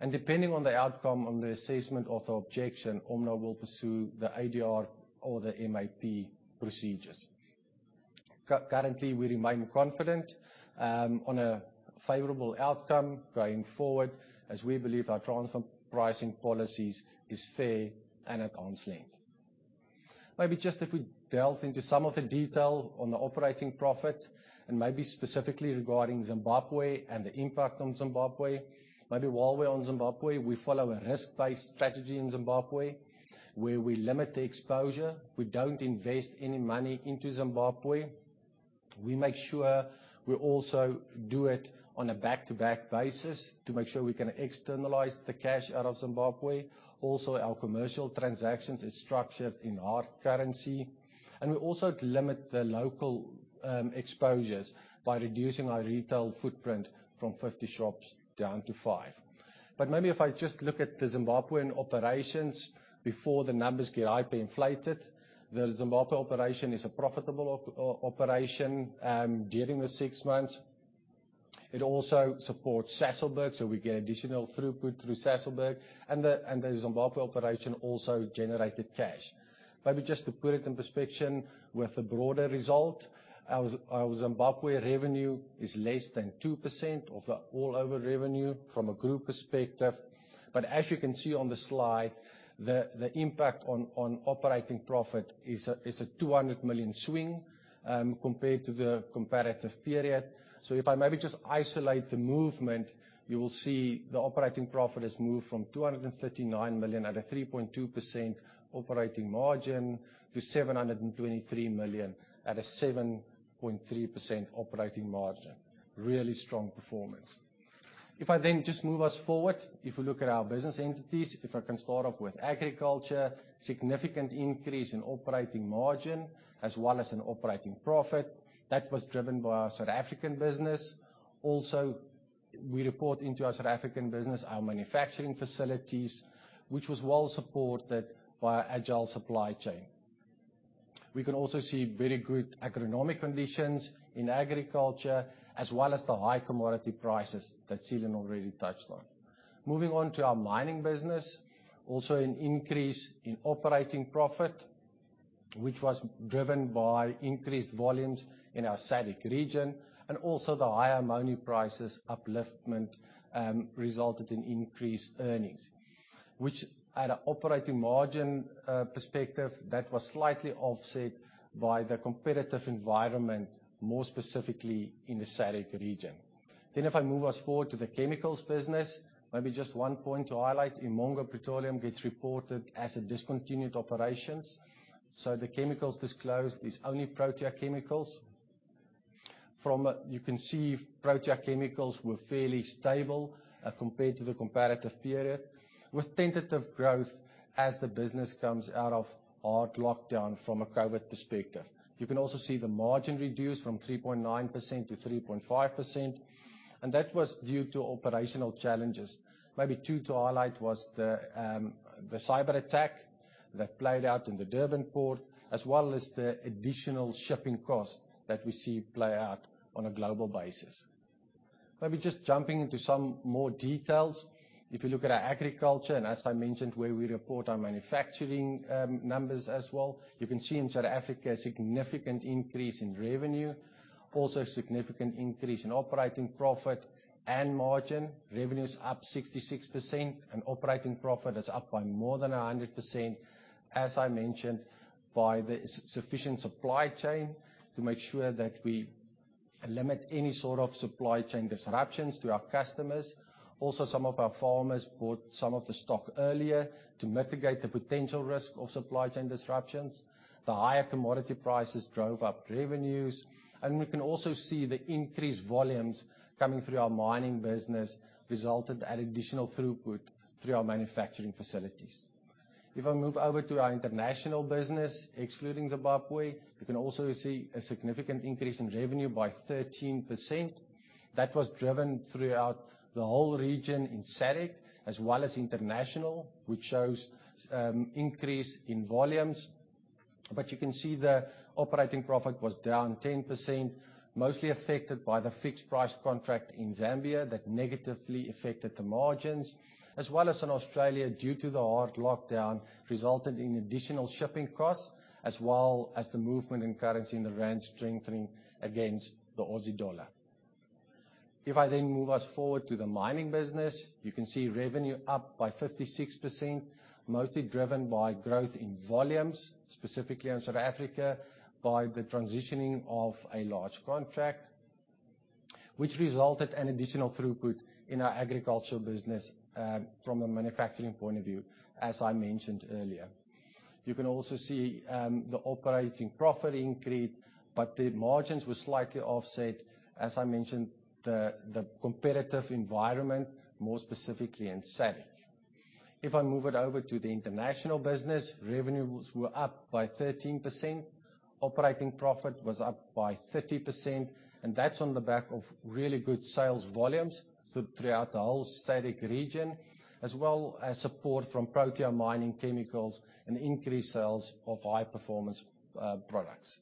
and depending on the outcome of the assessment of the objection, Omnia will pursue the ADR or the MAP procedures. Currently, we remain confident on a favorable outcome going forward, as we believe our transfer pricing policies is fair and at arm's length. Maybe just if we delve into some of the detail on the operating profit, and maybe specifically regarding Zimbabwe and the impact on Zimbabwe. Maybe while we're on Zimbabwe, we follow a risk-based strategy in Zimbabwe, where we limit the exposure. We don't invest any money into Zimbabwe. We make sure we also do it on a back-to-back basis to make sure we can externalize the cash out of Zimbabwe. Also, our commercial transactions is structured in hard currency. We also limit the local exposures by reducing our retail footprint from 50 shops down to five. Maybe if I just look at the Zimbabwean operations before the numbers get hyper-inflated. The Zimbabwe operation is a profitable operation during the six months. It also supports Sasolburg, so we get additional throughput through Sasolburg. The Zimbabwe operation also generated cash. Maybe just to put it in perspective with the broader result, our Zimbabwe revenue is less than 2% of the overall revenue from a group perspective. As you can see on the slide, the impact on operating profit is a 200 million swing compared to the comparative period. If I maybe just isolate the movement, you will see the operating profit has moved from 239 million at a 3.2% operating margin to 723 million at a 7.3% operating margin. Really strong performance. If I then just move us forward. If we look at our business entities, if I can start off with Agriculture, significant increase in operating margin as well as in operating profit. That was driven by our South African business. Also, we report into our South African business, our manufacturing facilities, which was well-supported by our agile supply chain. We can also see very good agronomic conditions in Agriculture, as well as the high commodity prices that Seelan already touched on. Moving on to our Mining business. An increase in operating profit, which was driven by increased volumes in our SADC region, and also the higher ammonia prices upliftment, resulted in increased earnings. Which at a operating margin perspective, that was slightly offset by the competitive environment, more specifically in the SADC region. If I move us forward to the chemicals business. Maybe just one point to highlight. Umongo Petroleum gets reported as a discontinued operations. So the chemicals disclosed is only Protea Chemicals. You can see Protea Chemicals were fairly stable, compared to the comparative period, with tentative growth as the business comes out of hard lockdown from a COVID perspective. You can also see the margin reduced from 3.9% to 3.5%, and that was due to operational challenges. Maybe two to highlight was the cyberattack that played out in the Durban port, as well as the additional shipping costs that we see play out on a global basis. Maybe just jumping to some more details. If you look at our agriculture, and as I mentioned, where we report our manufacturing numbers as well, you can see in South Africa a significant increase in revenue. Also a significant increase in operating profit and margin. Revenue's up 66% and operating profit is up by more than 100%, as I mentioned, by the sufficient supply chain to make sure that we limit any sort of supply chain disruptions to our customers. Also, some of our farmers bought some of the stock earlier to mitigate the potential risk of supply chain disruptions. The higher commodity prices drove up revenues. We can also see the increased volumes coming through our mining business resulted in additional throughput through our manufacturing facilities. If I move over to our international business, excluding Zimbabwe, you can also see a significant increase in revenue by 13%. That was driven throughout the whole region in SADC as well as international, which shows increase in volumes. You can see the operating profit was down 10%, mostly affected by the fixed price contract in Zambia that negatively affected the margins, as well as in Australia, due to the hard lockdown, resulted in additional shipping costs, as well as the movement in currency and the rand strengthening against the Aussie dollar. If I then move us forward to the mining business, you can see revenue up by 56%, mostly driven by growth in volumes, specifically in South Africa, by the transitioning of a large contract, which resulted in additional throughput in our agricultural business, from a manufacturing point of view, as I mentioned earlier. You can also see the operating profit increased, but the margins were slightly offset. As I mentioned, the competitive environment, more specifically in [Savage]. If I move it over to the international business, revenues were up by 13%. Operating profit was up by 30%, and that's on the back of really good sales volumes throughout the whole SADC region, as well as support from Protea Mining Chemicals and increased sales of high-performance products.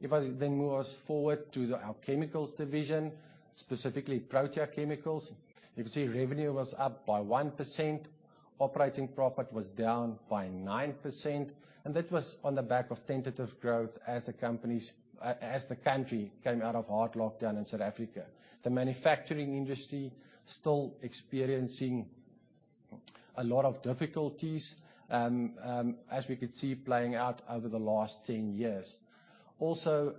If I then move us forward to our chemicals division, specifically Protea Chemicals, you can see revenue was up by 1%. Operating profit was down by 9%, and that was on the back of tentative growth as the country came out of hard lockdown in South Africa. The manufacturing industry still experiencing a lot of difficulties as we could see playing out over the last 10 years. Also,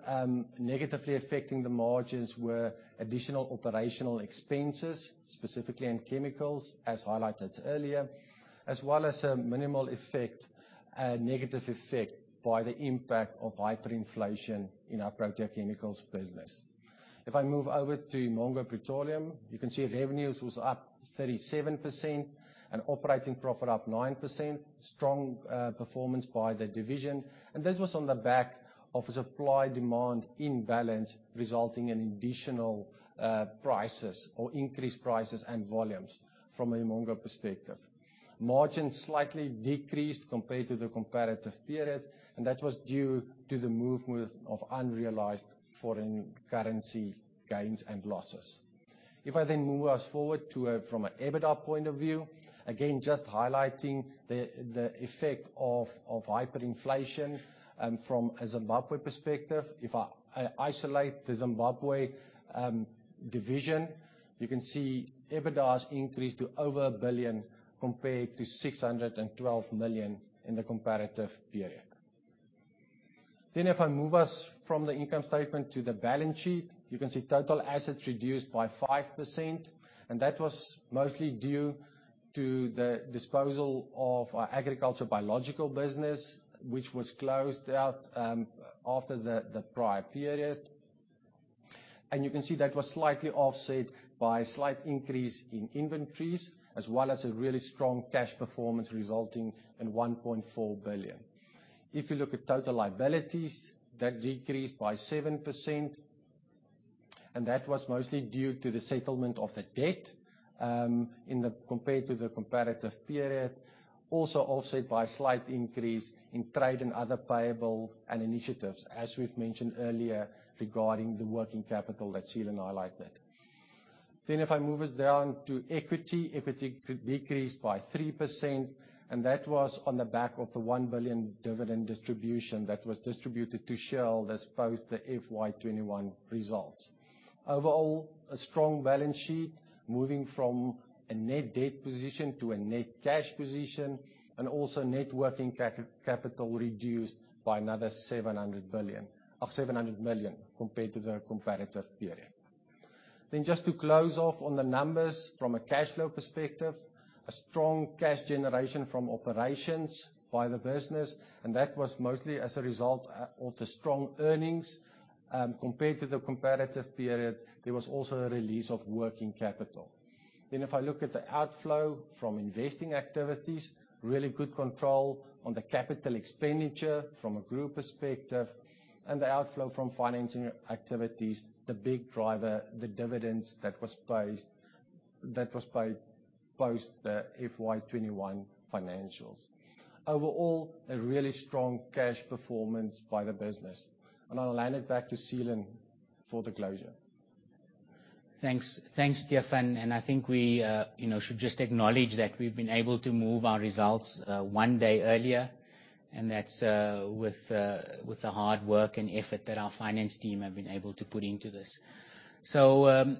negatively affecting the margins were additional operational expenses, specifically in chemicals, as highlighted earlier, as well as a minimal effect, negative effect by the impact of hyperinflation in our Protea Chemicals business. If I move over to Umongo Petroleum, you can see revenues was up 37% and operating profit up 9%. Strong performance by the division, and this was on the back of a supply/demand imbalance, resulting in additional prices or increased prices and volumes from an Umongo perspective. Margins slightly decreased compared to the comparative period, and that was due to the movement of unrealized foreign currency gains and losses. If I then move us forward, from an EBITDA point of view, again, just highlighting the effect of hyperinflation from a Zimbabwe perspective. If I isolate the Zimbabwe division, you can see EBITDA has increased to over 1 billion compared to 612 million in the comparative period. If I move us from the income statement to the balance sheet, you can see total assets reduced by 5%, and that was mostly due to the disposal of our agri-biological business, which was closed out after the prior period. You can see that was slightly offset by a slight increase in inventories, as well as a really strong cash performance, resulting in 1.4 billion. If you look at total liabilities, that decreased by 7%, and that was mostly due to the settlement of the debt compared to the comparative period. Also offset by a slight increase in trade and other payables and initiatives, as we've mentioned earlier regarding the working capital that Seelan highlighted. If I move us down to equity decreased by 3%, and that was on the back of the 1 billion dividend distribution that was distributed to Shell, that's post the FY 2021 results. Overall, a strong balance sheet, moving from a net debt position to a net cash position, and also net working capital reduced by another 700 million compared to the comparative period. If I just close off on the numbers from a cash flow perspective, a strong cash generation from operations by the business, and that was mostly as a result of the strong earnings. Compared to the comparative period, there was also a release of working capital. If I look at the outflow from investing activities, really good control on the capital expenditure from a group perspective. The outflow from financing activities, the big driver, the dividends that was placed, that was post the FY 2021 financials. Overall, a really strong cash performance by the business. I'll hand it back to Seelan for the closure. Thanks. Thanks, Stephan. I think we should just acknowledge that we've been able to move our results one day earlier, and that's with the hard work and effort that our finance team have been able to put into this. To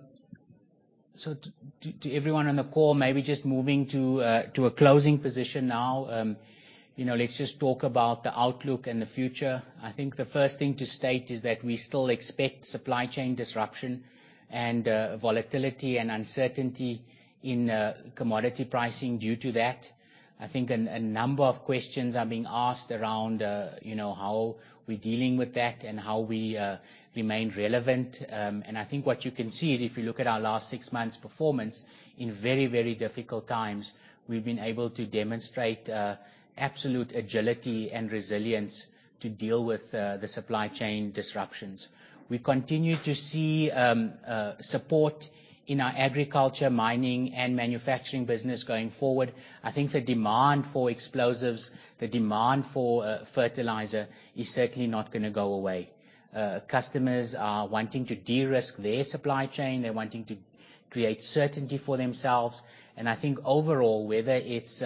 everyone on the call, maybe just moving to a closing position now, you know, let's just talk about the outlook and the future. I think the first thing to state is that we still expect supply chain disruption and volatility and uncertainty in commodity pricing due to that. I think a number of questions are being asked around how we're dealing with that and how we remain relevant. I think what you can see is if you look at our last six months' performance, in very, very difficult times, we've been able to demonstrate absolute agility and resilience to deal with the supply chain disruptions. We continue to see support in our agriculture, mining, and manufacturing business going forward. I think the demand for explosives, the demand for fertilizer, is certainly not gonna go away. Customers are wanting to de-risk their supply chain. They're wanting to create certainty for themselves. I think overall, whether it's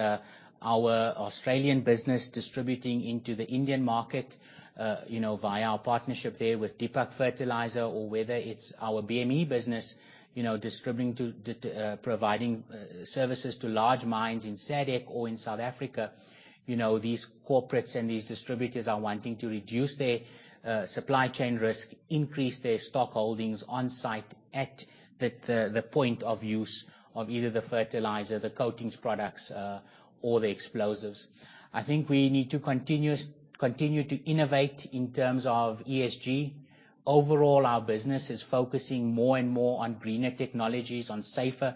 our Australian business distributing into the Indian market, you know, via our partnership there with Deepak Fertilizer, or whether it's our BME business, you know, providing services to large mines in SADC or in South Africa, you know, these corporates and these distributors are wanting to reduce their supply chain risk, increase their stock holdings on site at the point of use of either the fertilizer, the coatings products, or the explosives. I think we need to continue to innovate in terms of ESG. Overall, our business is focusing more and more on greener technologies, on safer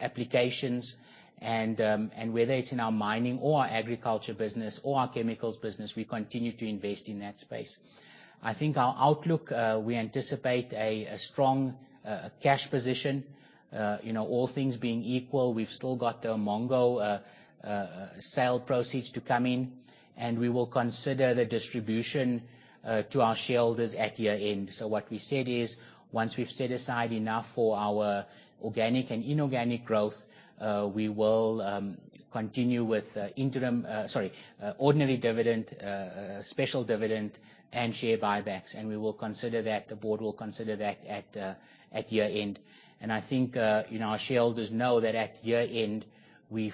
applications, and whether it's in our mining or our agriculture business or our chemicals business, we continue to invest in that space. I think our outlook, we anticipate a strong cash position. You know, all things being equal, we've still got the Umongo sale proceeds to come in, and we will consider the distribution to our shareholders at year-end. What we said is, once we've set aside enough for our organic and inorganic growth, we will continue with ordinary dividend, special dividend, and share buybacks, and we will consider that, the board will consider that at year-end. I think you know, our shareholders know that at year-end, we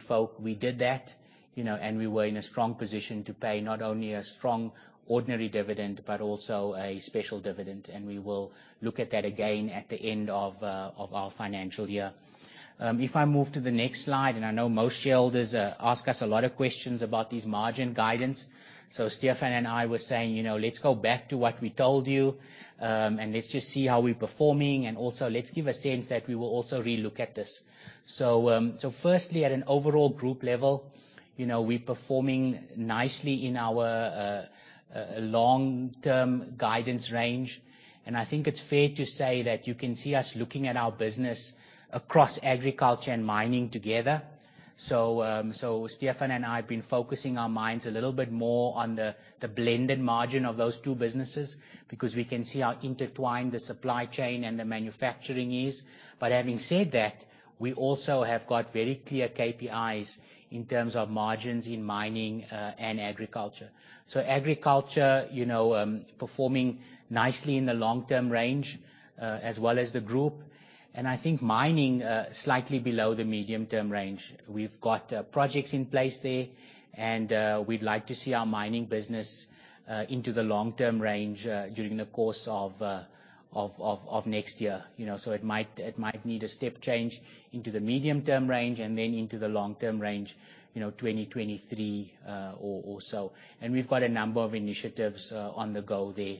did that, you know, and we were in a strong position to pay not only a strong ordinary dividend, but also a special dividend. We will look at that again at the end of our financial year. If I move to the next slide, and I know most shareholders ask us a lot of questions about this margin guidance. Stephan and I were saying, "You know, let's go back to what we told you, and let's just see how we're performing, and also let's give a sense that we will also re-look at this." Firstly, at an overall group level, you know, we're performing nicely in our long-term guidance range. I think it's fair to say that you can see us looking at our business across agriculture and mining together. Stephan and I have been focusing our minds a little bit more on the blended margin of those two businesses, because we can see how intertwined the supply chain and the manufacturing is. Having said that, we also have got very clear KPIs in terms of margins in mining and agriculture. Agriculture, you know, performing nicely in the long-term range as well as the group. I think mining slightly below the medium-term range. We've got projects in place there, and we'd like to see our mining business into the long-term range during the course of next year. You know, it might need a step change into the medium-term range and then into the long-term range, you know, 2023 or so. We've got a number of initiatives on the go there.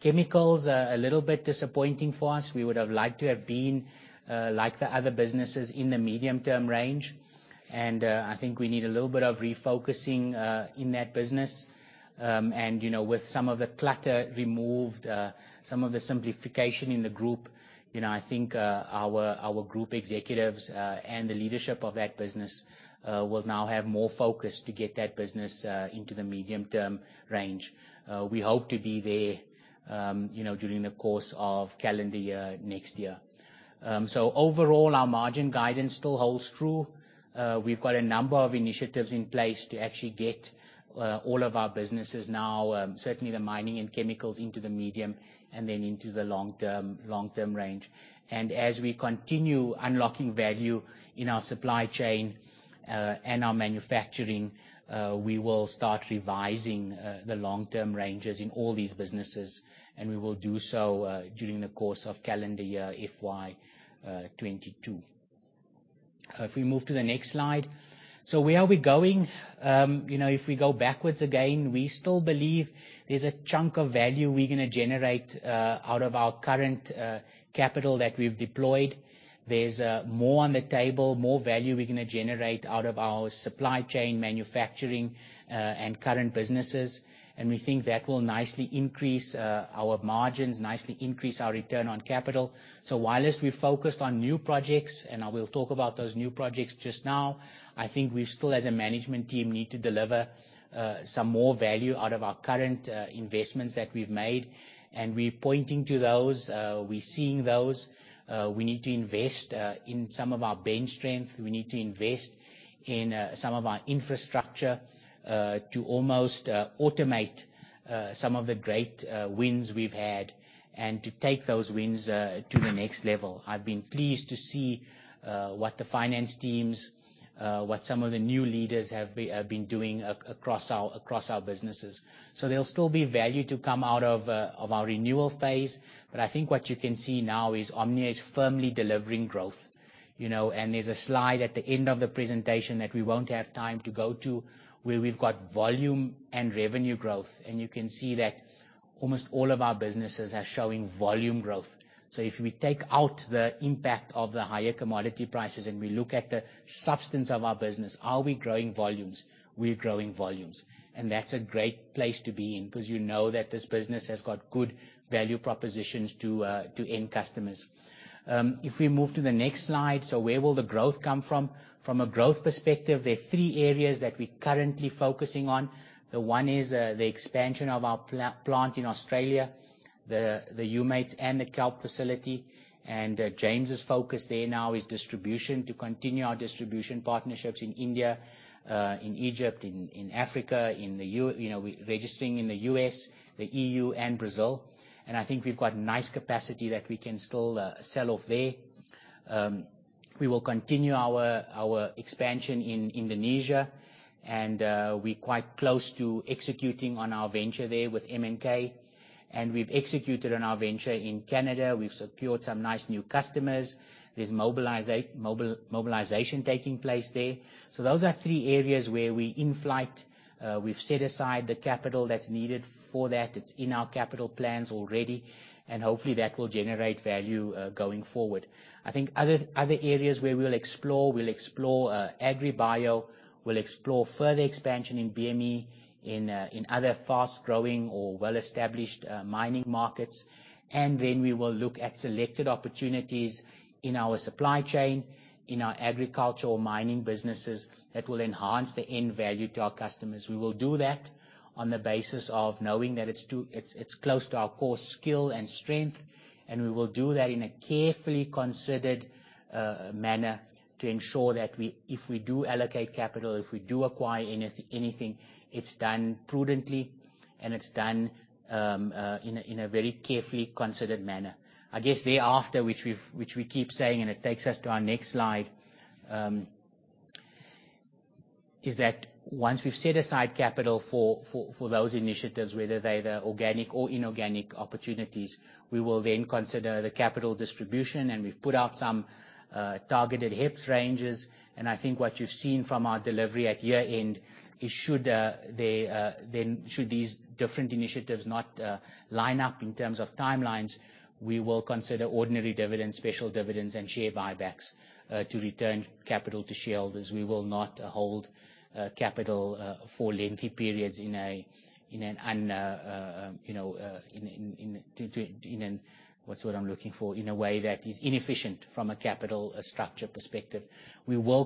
Chemicals, a little bit disappointing for us. We would have liked to have been like the other businesses in the medium-term range. I think we need a little bit of refocusing in that business. You know, with some of the clutter removed, some of the simplification in the group, you know, I think our group executives and the leadership of that business will now have more focus to get that business into the medium-term range. We hope to be there, you know, during the course of calendar year next year. Overall, our margin guidance still holds true. We've got a number of initiatives in place to actually get all of our businesses now, certainly the mining and chemicals into the medium, and then into the long-term range. As we continue unlocking value in our supply chain, and our manufacturing, we will start revising, the long-term ranges in all these businesses, and we will do so, during the course of calendar year FY 2022. If we move to the next slide. Where are we going? You know, if we go backwards again, we still believe there's a chunk of value we're gonna generate, out of our current, capital that we've deployed. There's more on the table, more value we're gonna generate out of our supply chain manufacturing, and current businesses. We think that will nicely increase, our margins, nicely increase our return on capital. While we're focused on new projects, and I will talk about those new projects just now, I think we still, as a management team, need to deliver some more value out of our current investments that we've made. We're pointing to those, we're seeing those. We need to invest in some of our bench strength. We need to invest in some of our infrastructure to almost automate some of the great wins we've had, and to take those wins to the next level. I've been pleased to see what some of the new leaders have been doing across our businesses. There'll still be value to come out of our renewal phase. I think what you can see now is Omnia is firmly delivering growth. You know, there's a slide at the end of the presentation that we won't have time to go to, where we've got volume and revenue growth. You can see that almost all of our businesses are showing volume growth. If we take out the impact of the higher commodity prices and we look at the substance of our business, are we growing volumes? We're growing volumes. That's a great place to be in, because you know that this business has got good value propositions to end customers. If we move to the next slide. Where will the growth come from? From a growth perspective, there are three areas that we're currently focusing on. The one is the expansion of our plant in Australia. The Humates and the kelp plant. James' focus there now is distribution, to continue our distribution partnerships in India, in Egypt, in Africa, in the U.S. You know, we're registering in the U.S., the EU, and Brazil. I think we've got nice capacity that we can still sell off there. We will continue our expansion in Indonesia. We're quite close to executing on our venture there with MNK. We've executed on our venture in Canada. We've secured some nice new customers. There's mobilization taking place there. Those are three areas where we in-flight. We've set aside the capital that's needed for that. It's in our capital plans already, and hopefully that will generate value going forward. I think other areas where we'll explore AgriBio, we'll explore further expansion in BME, in other fast-growing or well-established mining markets. Then we will look at selected opportunities in our supply chain, in our agricultural mining businesses that will enhance the end value to our customers. We will do that on the basis of knowing that it's close to our core skill and strength, and we will do that in a carefully considered manner to ensure that if we do allocate capital, if we do acquire anything, it's done prudently, and it's done in a very carefully considered manner. I guess thereafter, which we keep saying, and it takes us to our next slide, is that once we've set aside capital for those initiatives, whether they're organic or inorganic opportunities, we will then consider the capital distribution. We've put out some targeted EPS ranges. I think what you've seen from our delivery at year-end is that should these different initiatives not line up in terms of timelines, we will consider ordinary dividends, special dividends, and share buybacks to return capital to shareholders. We will not hold capital for lengthy periods, you know, in a way that is inefficient from a capital structure perspective. We will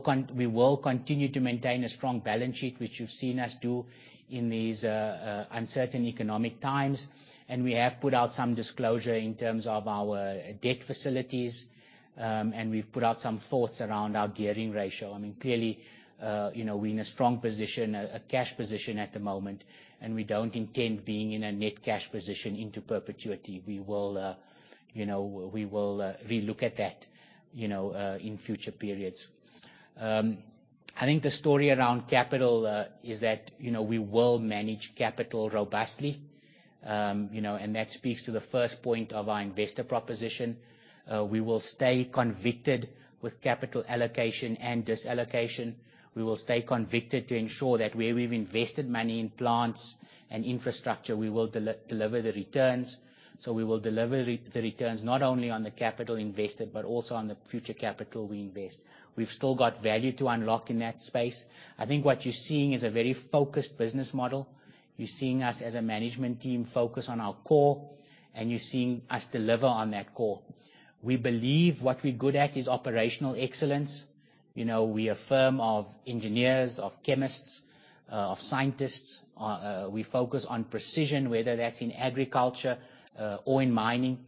continue to maintain a strong balance sheet, which you've seen us do in these uncertain economic times. We have put out some disclosure in terms of our debt facilities, and we've put out some thoughts around our gearing ratio. I mean, clearly, you know, we're in a strong position, a cash position at the moment, and we don't intend being in a net cash position into perpetuity. We will relook at that, you know, in future periods. I think the story around capital is that, you know, we will manage capital robustly. You know, that speaks to the first point of our investor proposition. We will stay convicted with capital allocation and dis-allocation. We will stay convicted to ensure that where we've invested money in plants and infrastructure, we will deliver the returns. We will deliver the returns not only on the capital invested, but also on the future capital we invest. We've still got value to unlock in that space. I think what you're seeing is a very focused business model. You're seeing us as a management team focus on our core, and you're seeing us deliver on that core. We believe what we're good at is operational excellence. You know, we're a firm of engineers, of chemists, of scientists. We focus on precision, whether that's in agriculture, or in mining.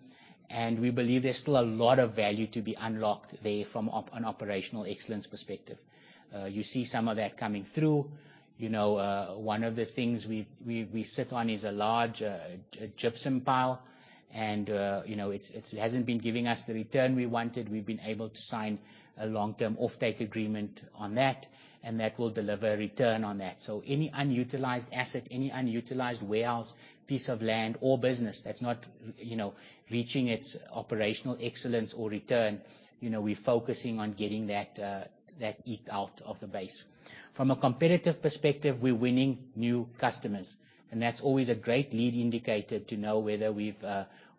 We believe there's still a lot of value to be unlocked there from an operational excellence perspective. You see some of that coming through. You know, one of the things we sit on is a large gypsum pile. You know, it hasn't been giving us the return we wanted. We've been able to sign a long-term offtake agreement on that, and that will deliver a return on that. Any unutilized asset, any unutilized warehouse, piece of land or business that's not, you know, reaching its operational excellence or return, you know, we're focusing on getting that heat out of the base. From a competitive perspective, we're winning new customers, and that's always a great lead indicator to know whether we've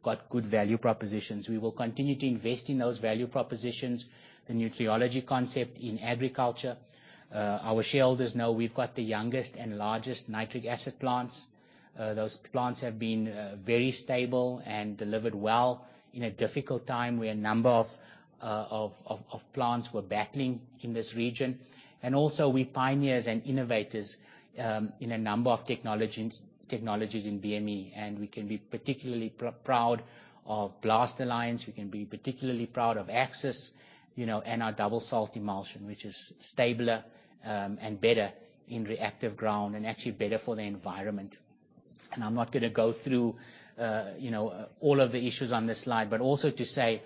got good value propositions. We will continue to invest in those value propositions, the Nutriology concept in agriculture. Our shareholders know we've got the youngest and largest nitric acid plants. Those plants have been very stable and delivered well in a difficult time, where a number of plants were battling in this region. We are pioneers and innovators in a number of technologies in BME, and we can be particularly proud of Blast Alliance. We can be particularly proud of AXXIS, you know, and our dual-salt emulsion, which is stabler and better in reactive ground and actually better for the environment. I'm not gonna go through, you know, all of the issues on this slide, but also to say,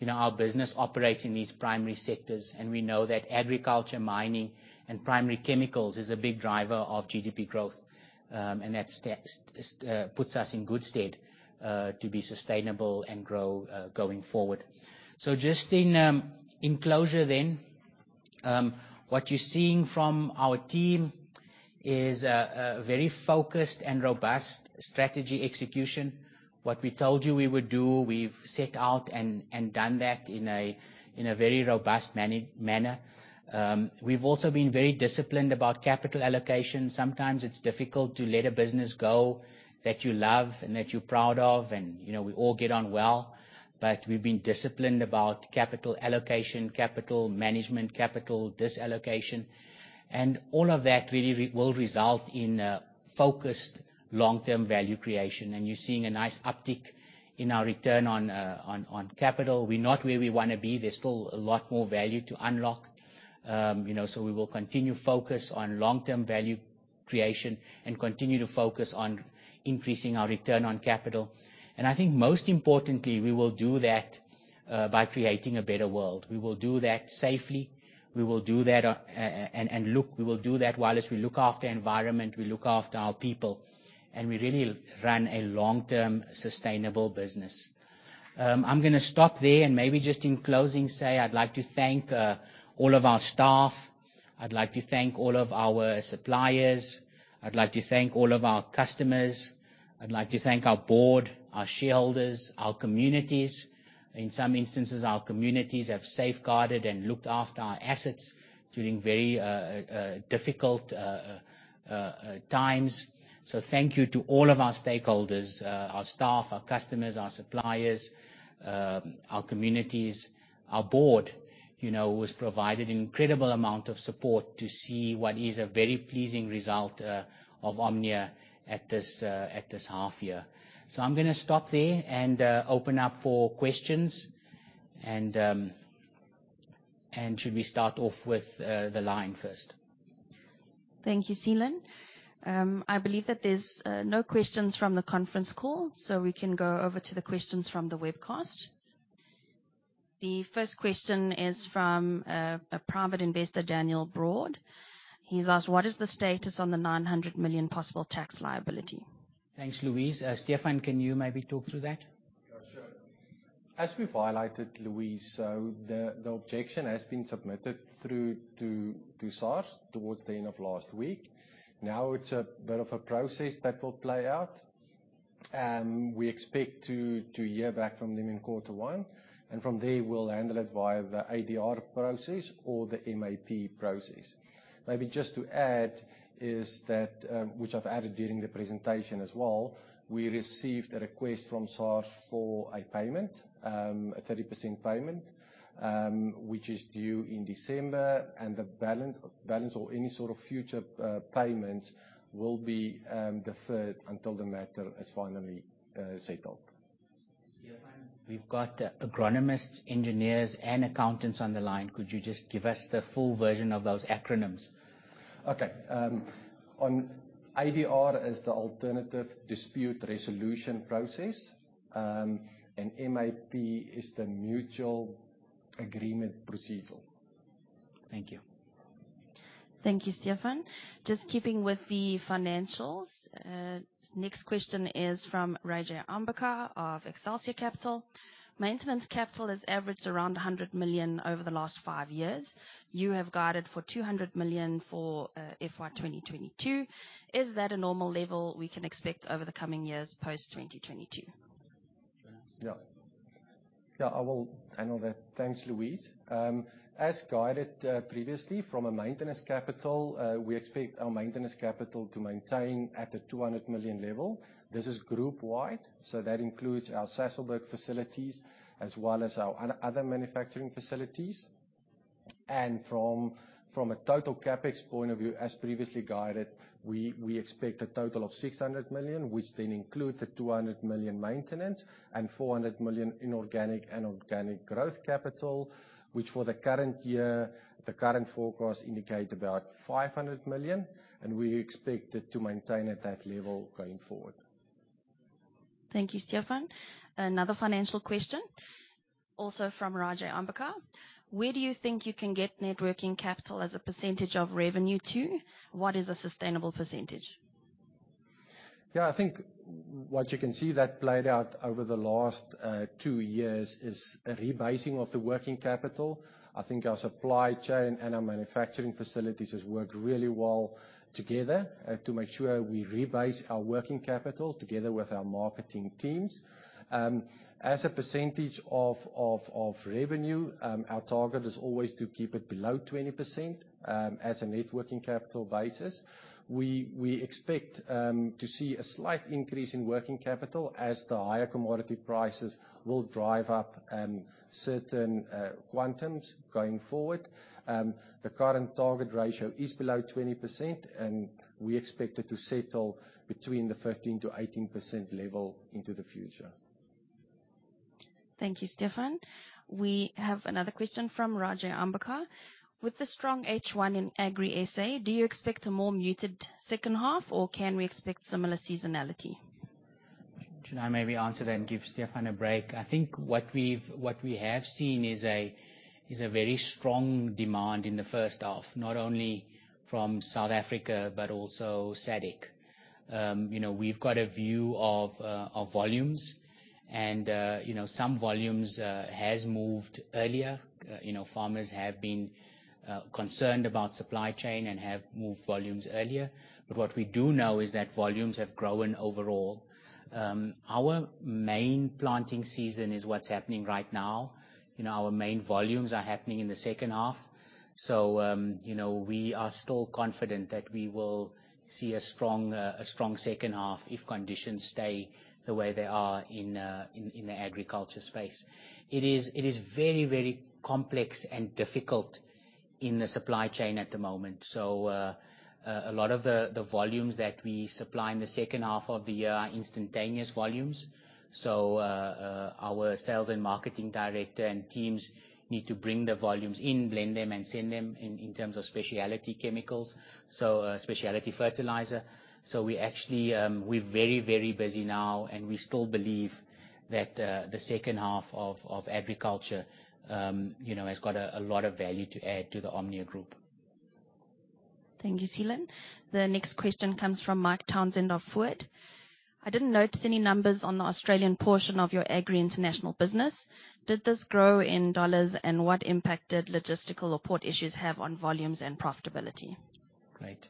you know, our business operates in these primary sectors, and we know that agriculture, mining, and primary chemicals is a big driver of GDP growth. That puts us in good stead to be sustainable and grow going forward. Just in closing then, what you're seeing from our team is a very focused and robust strategy execution. What we told you we would do, we've set out and done that in a very robust manner. We've also been very disciplined about capital allocation. Sometimes it's difficult to let a business go that you love and that you're proud of, and, you know, we all get on well, but we've been disciplined about capital allocation, capital management, capital de-allocation. All of that really will result in a focused long-term value creation. You're seeing a nice uptick in our return on capital. We're not where we wanna be. There's still a lot more value to unlock. You know, we will continue focus on long-term value creation and continue to focus on increasing our return on capital. I think most importantly, we will do that by creating a better world. We will do that safely. We will do that while as we look after environment, we look after our people, and we really run a long-term sustainable business. I'm gonna stop there and maybe just in closing say I'd like to thank all of our staff. I'd like to thank all of our suppliers. I'd like to thank all of our customers. I'd like to thank our board, our shareholders, our communities. In some instances, our communities have safeguarded and looked after our assets during very difficult times. Thank you to all of our stakeholders, our staff, our customers, our suppliers, our communities. Our board, you know, has provided an incredible amount of support to see what is a very pleasing result of Omnia at this half year. I'm gonna stop there and open up for questions. Should we start off with the line first? Thank you, Seelan. I believe that there's no questions from the conference call, so we can go over to the questions from the webcast. The first question is from a private investor, Daniel Broad. He's asked, "What is the status on the 900 million possible tax liability? Thanks, Louise. Stephan, can you maybe talk through that? Yeah, sure. As we've highlighted, Louise, the objection has been submitted through to SARS towards the end of last week. Now it's a bit of a process that will play out. We expect to hear back from them in quarter one, and from there we'll handle it via the ADR process or the MAP process. Maybe just to add is that, which I've added during the presentation as well, we received a request from SARS for a payment, a 30% payment, which is due in December, and the balance or any sort of future payments will be deferred until the matter is finally settled. Stephan, we've got agronomists, engineers, and accountants on the line. Could you just give us the full version of those acronyms? ADR is the Alternative Dispute Resolution process, and MAP is the Mutual Agreement Procedure. Thank you. Thank you, Stephan. Just keeping with the financials, next question is from Rajayt Ambakar of Excelsia Capital. Maintenance capital has averaged around 100 million over the last five years. You have guided for 200 million for FY 2022. Is that a normal level we can expect over the coming years post-2022? Yeah. Yeah, I will handle that. Thanks, Louise. As guided previously from a maintenance capital, we expect our maintenance capital to maintain at the 200 million level. This is group wide, so that includes our Sasolburg facilities as well as our other manufacturing facilities. From a total CapEx point of view, as previously guided, we expect a total of 600 million, which then include the 200 million maintenance and 400 million inorganic and organic growth capital, which for the current year, the current forecast indicate about 500 million, and we expect it to maintain at that level going forward. Thank you, Stephan. Another financial question, also from Raj Ambakar. Where do you think you can get net working capital as a percentage of revenue to? What is a sustainable percentage? Yeah, I think what you can see that played out over the last two years is a rebasing of the working capital. I think our supply chain and our manufacturing facilities has worked really well together to make sure we rebase our working capital together with our marketing teams. As a percentage of revenue, our target is always to keep it below 20% as a net working capital basis. We expect to see a slight increase in working capital as the higher commodity prices will drive up certain quantities going forward. The current target ratio is below 20%, and we expect it to settle between the 15%-18% level into the future. Thank you, Stephan. We have another question from Raj Ambakar. With the strong H1 in Agri SA, do you expect a more muted second half, or can we expect similar seasonality? Should I maybe answer that and give Stephan a break? I think what we have seen is a very strong demand in the first half, not only from South Africa, but also SADC. You know, we've got a view of volumes and you know, some volumes has moved earlier. You know, farmers have been concerned about supply chain and have moved volumes earlier. What we do know is that volumes have grown overall. Our main planting season is what's happening right now. You know, our main volumes are happening in the second half. You know, we are still confident that we will see a strong second half if conditions stay the way they are in the agriculture space. It is very, very complex and difficult in the supply chain at the moment. A lot of the volumes that we supply in the second half of the year are instantaneous volumes. Our sales and marketing director and teams need to bring the volumes in, blend them, and send them in terms of specialty chemicals. Specialty fertilizer. We actually, we're very, very busy now, and we still believe that the second half of agriculture, you know, has got a lot of value to add to the Omnia Group. Thank you, Seelan. The next question comes from Mike Townshend of Foord. I didn't notice any numbers on the Australian portion of your agri international business. Did this grow in dollars? And what impact did logistical or port issues have on volumes and profitability? Great.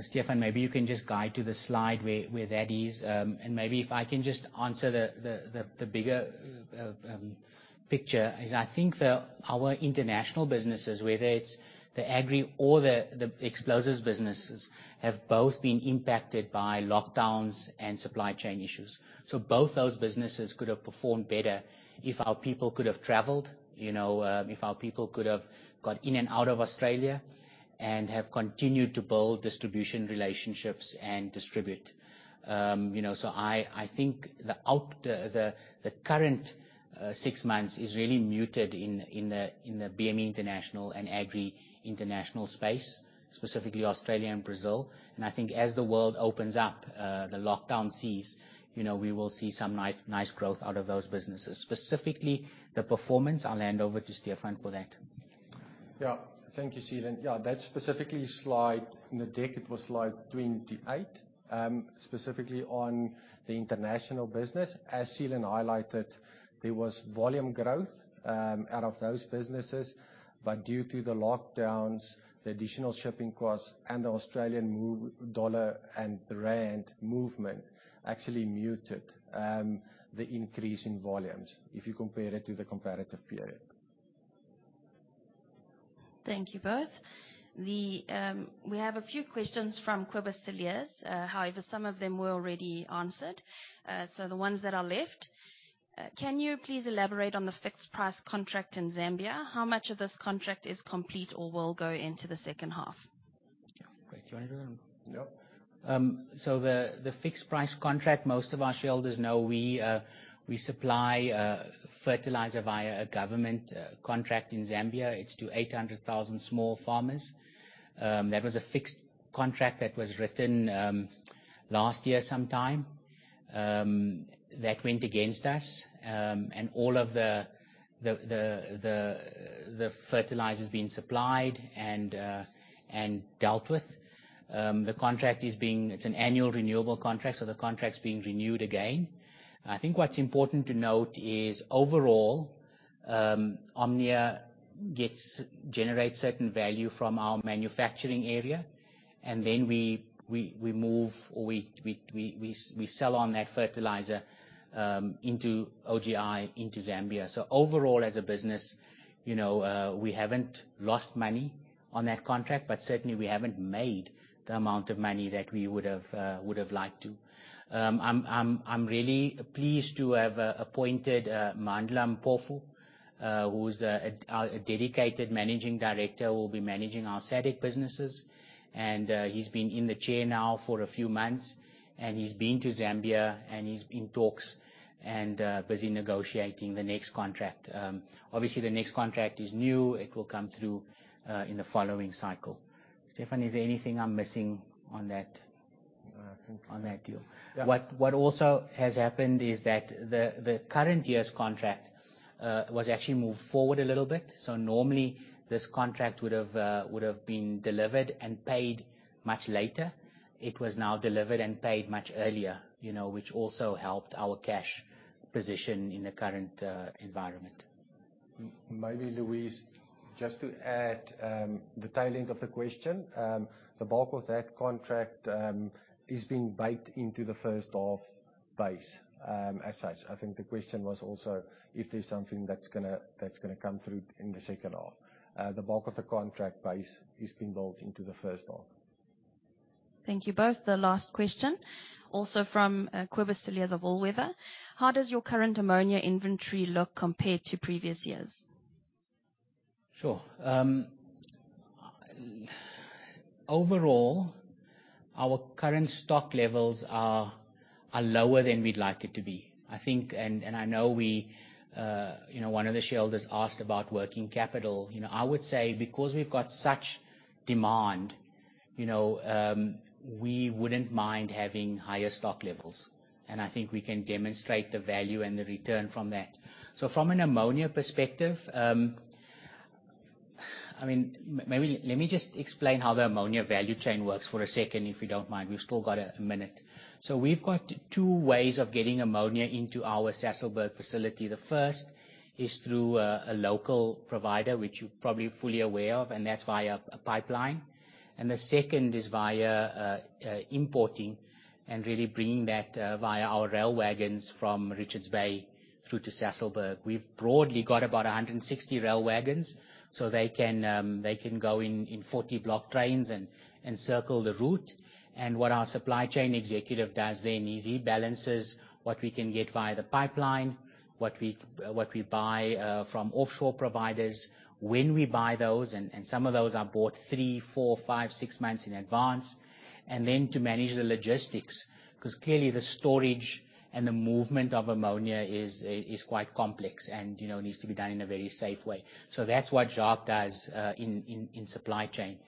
Stephan, maybe you can just guide to the slide where that is. Maybe if I can just answer the bigger picture is I think our international businesses, whether it's the agri or the explosives businesses, have both been impacted by lockdowns and supply chain issues. Both those businesses could have performed better if our people could have traveled, you know, if our people could have got in and out of Australia and have continued to build distribution relationships and distribute. You know, I think the current six months is really muted in the BME international and agri international space, specifically Australia and Brazil. I think as the world opens up, the lockdowns cease, you know, we will see some nice growth out of those businesses. Specifically, the performance, I'll hand over to Stephan for that. Yeah. Thank you, Seelan. Yeah, that's specifically slide 28 in the deck, specifically on the international business. As Seelan highlighted, there was volume growth out of those businesses. Due to the lockdowns, the additional shipping costs, and the Australian dollar and rand movement actually muted the increase in volumes if you compare it to the comparative period. Thank you both. Then we have a few questions from Kobus Serfontein. However, some of them were already answered. The ones that are left, can you please elaborate on the fixed price contract in Zambia? How much of this contract is complete or will go into the second half? Yeah. Great. Do you wanna do it? Yep. The fixed price contract, most of our shareholders know we supply fertilizer via a government contract in Zambia. It's to 800,000 small farmers. That was a fixed contract that was written last year sometime that went against us, and all of the fertilizer's been supplied and dealt with. It's an annual renewable contract, so the contract's being renewed again. I think what's important to note is overall, Omnia generates certain value from our manufacturing area, and then we sell on that fertilizer into OGI into Zambia. Overall, as a business, you know, we haven't lost money on that contract, but certainly we haven't made the amount of money that we would've liked to. I'm really pleased to have appointed Mandla Mpofu, who is a dedicated Managing Director, will be managing our SADC businesses. He's been in the chair now for a few months, and he's been to Zambia and he's in talks and busy negotiating the next contract. Obviously the next contract is new. It will come through in the following cycle. Stephan, is there anything I'm missing on that. No, I think. On that deal? Yeah. What also has happened is that the current year's contract was actually moved forward a little bit. Normally this contract would've been delivered and paid much later. It was now delivered and paid much earlier, you know, which also helped our cash position in the current environment. Maybe, Louise, just to add, the tail end of the question, the bulk of that contract is being baked into the first half base, as such. I think the question was also if there's something that's gonna come through in the second half. The bulk of the contract base is being built into the first half. Thank you both. The last question, also from Kobus Serfontein of All Weather Capital. How does your current ammonia inventory look compared to previous years? Sure. Overall, our current stock levels are lower than we'd like it to be. I think, and I know we, you know, one of the shareholders asked about working capital. You know, I would say because we've got such demand, you know, we wouldn't mind having higher stock levels, and I think we can demonstrate the value and the return from that. From an ammonia perspective, I mean, maybe let me just explain how the ammonia value chain works for a second, if you don't mind. We've still got a minute. We've got two ways of getting ammonia into our Sasolburg facility. The first is through a local provider, which you're probably fully aware of, and that's via a pipeline. The second is via importing and really bringing that via our rail wagons from Richards Bay through to Sasolburg. We've broadly got about 160 rail wagons, so they can go in 40 block trains and circle the route. What our supply chain executive does then is he balances what we can get via the pipeline, what we buy from offshore providers, when we buy those, and some of those are bought three, four, five, six months in advance. Then to manage the logistics, because clearly the storage and the movement of ammonia is quite complex and, you know, needs to be done in a very safe way. That's what Job does in supply chain.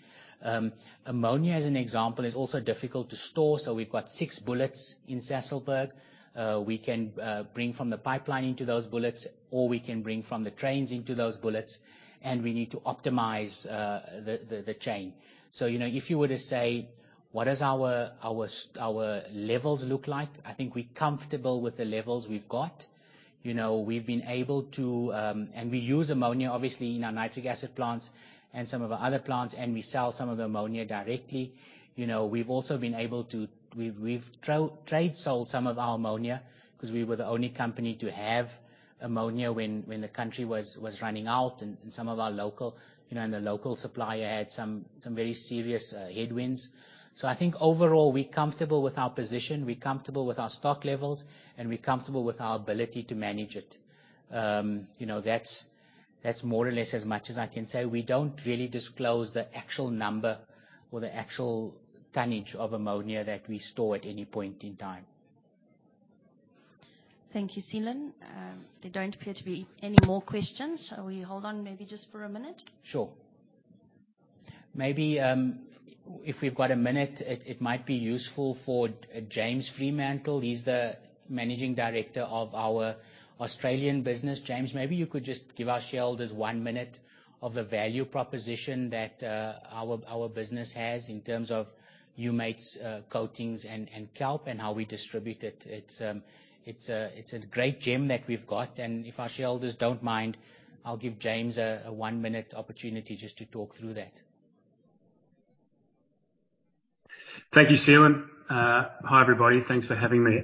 Ammonia, as an example, is also difficult to store, so we've got six bullets in Sasolburg. We can bring from the pipeline into those bullets, or we can bring from the trains into those bullets, and we need to optimize the chain. You know, if you were to say, "What is our levels look like?" I think we're comfortable with the levels we've got. You know, we've been able to, and we use ammonia, obviously, in our nitric acid plants and some of our other plants, and we sell some of the ammonia directly. You know, we've also been able to. We've trade sold some of our ammonia because we were the only company to have ammonia when the country was running out and some of our local, you know, and the local supplier had some very serious headwinds. I think overall we're comfortable with our position, we're comfortable with our stock levels, and we're comfortable with our ability to manage it. You know, that's more or less as much as I can say. We don't really disclose the actual number or the actual tonnage of ammonia that we store at any point in time. Thank you, Seelan. There don't appear to be any more questions. Shall we hold on maybe just for a minute? Sure. Maybe if we've got a minute, it might be useful for James Freemantle. He's the Managing Director of our Australian business. James, maybe you could just give our shareholders one minute of the value proposition that our business has in terms of humates, coatings and kelp and how we distribute it. It's a great gem that we've got and if our shareholders don't mind, I'll give James a one-minute opportunity just to talk through that. Thank you, Seelan. Hi, everybody. Thanks for having me.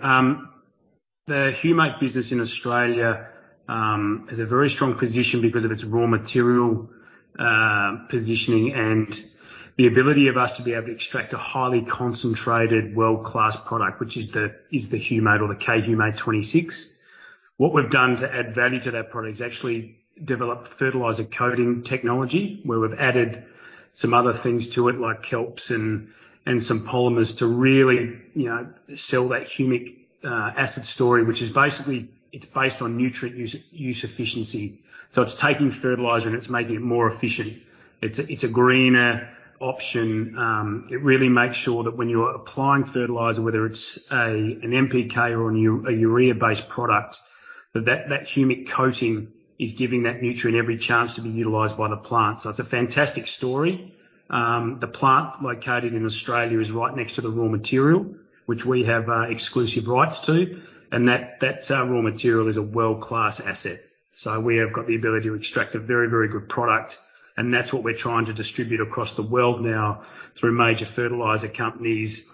The humate business in Australia has a very strong position because of its raw material positioning and the ability of us to be able to extract a highly concentrated world-class product, which is the humate or the K-HUMATE 26. What we've done to add value to that product is actually developed fertilizer coating technology, where we've added some other things to it, like kelp and some polymers to really, you know, sell that humic acid story, which is basically it's based on nutrient use efficiency. It's taking fertilizer and it's making it more efficient. It's a greener option. It really makes sure that when you're applying fertilizer, whether it's an NPK or a urea-based product, that humic coating is giving that nutrient every chance to be utilized by the plant. It's a fantastic story. The plant located in Australia is right next to the raw material, which we have exclusive rights to, and that raw material is a world-class asset. We have got the ability to extract a very good product, and that's what we're trying to distribute across the world now through major fertilizer companies,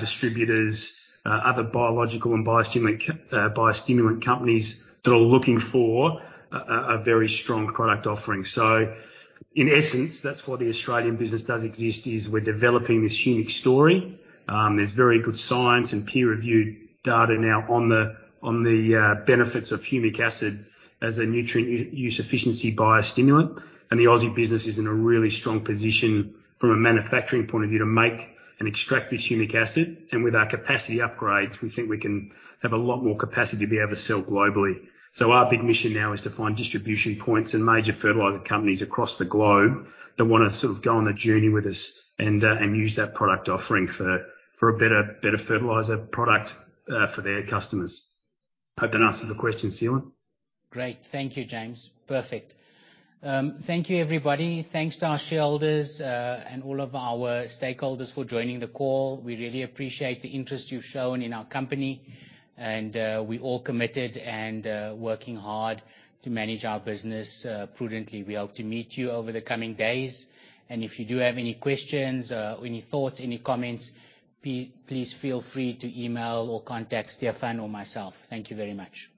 distributors, other biological and biostimulant companies that are looking for a very strong product offering. In essence, that's why the Australian business does exist, is we're developing this humic story. There's very good science and peer-reviewed data now on the benefits of humic acid as a nutrient use efficiency biostimulant. The Aussie business is in a really strong position from a manufacturing point of view to make and extract this humic acid. With our capacity upgrades, we think we can have a lot more capacity to be able to sell globally. Our big mission now is to find distribution points and major fertilizer companies across the globe that wanna sort of go on the journey with us and use that product offering for a better fertilizer product for their customers. Hope that answers the question, Seelan. Great. Thank you, James. Perfect. Thank you, everybody. Thanks to our shareholders and all of our stakeholders for joining the call. We really appreciate the interest you've shown in our company, and we're all committed and working hard to manage our business prudently. We hope to meet you over the coming days. If you do have any questions, any thoughts, any comments, please feel free to email or contact Stephan or myself. Thank you very much.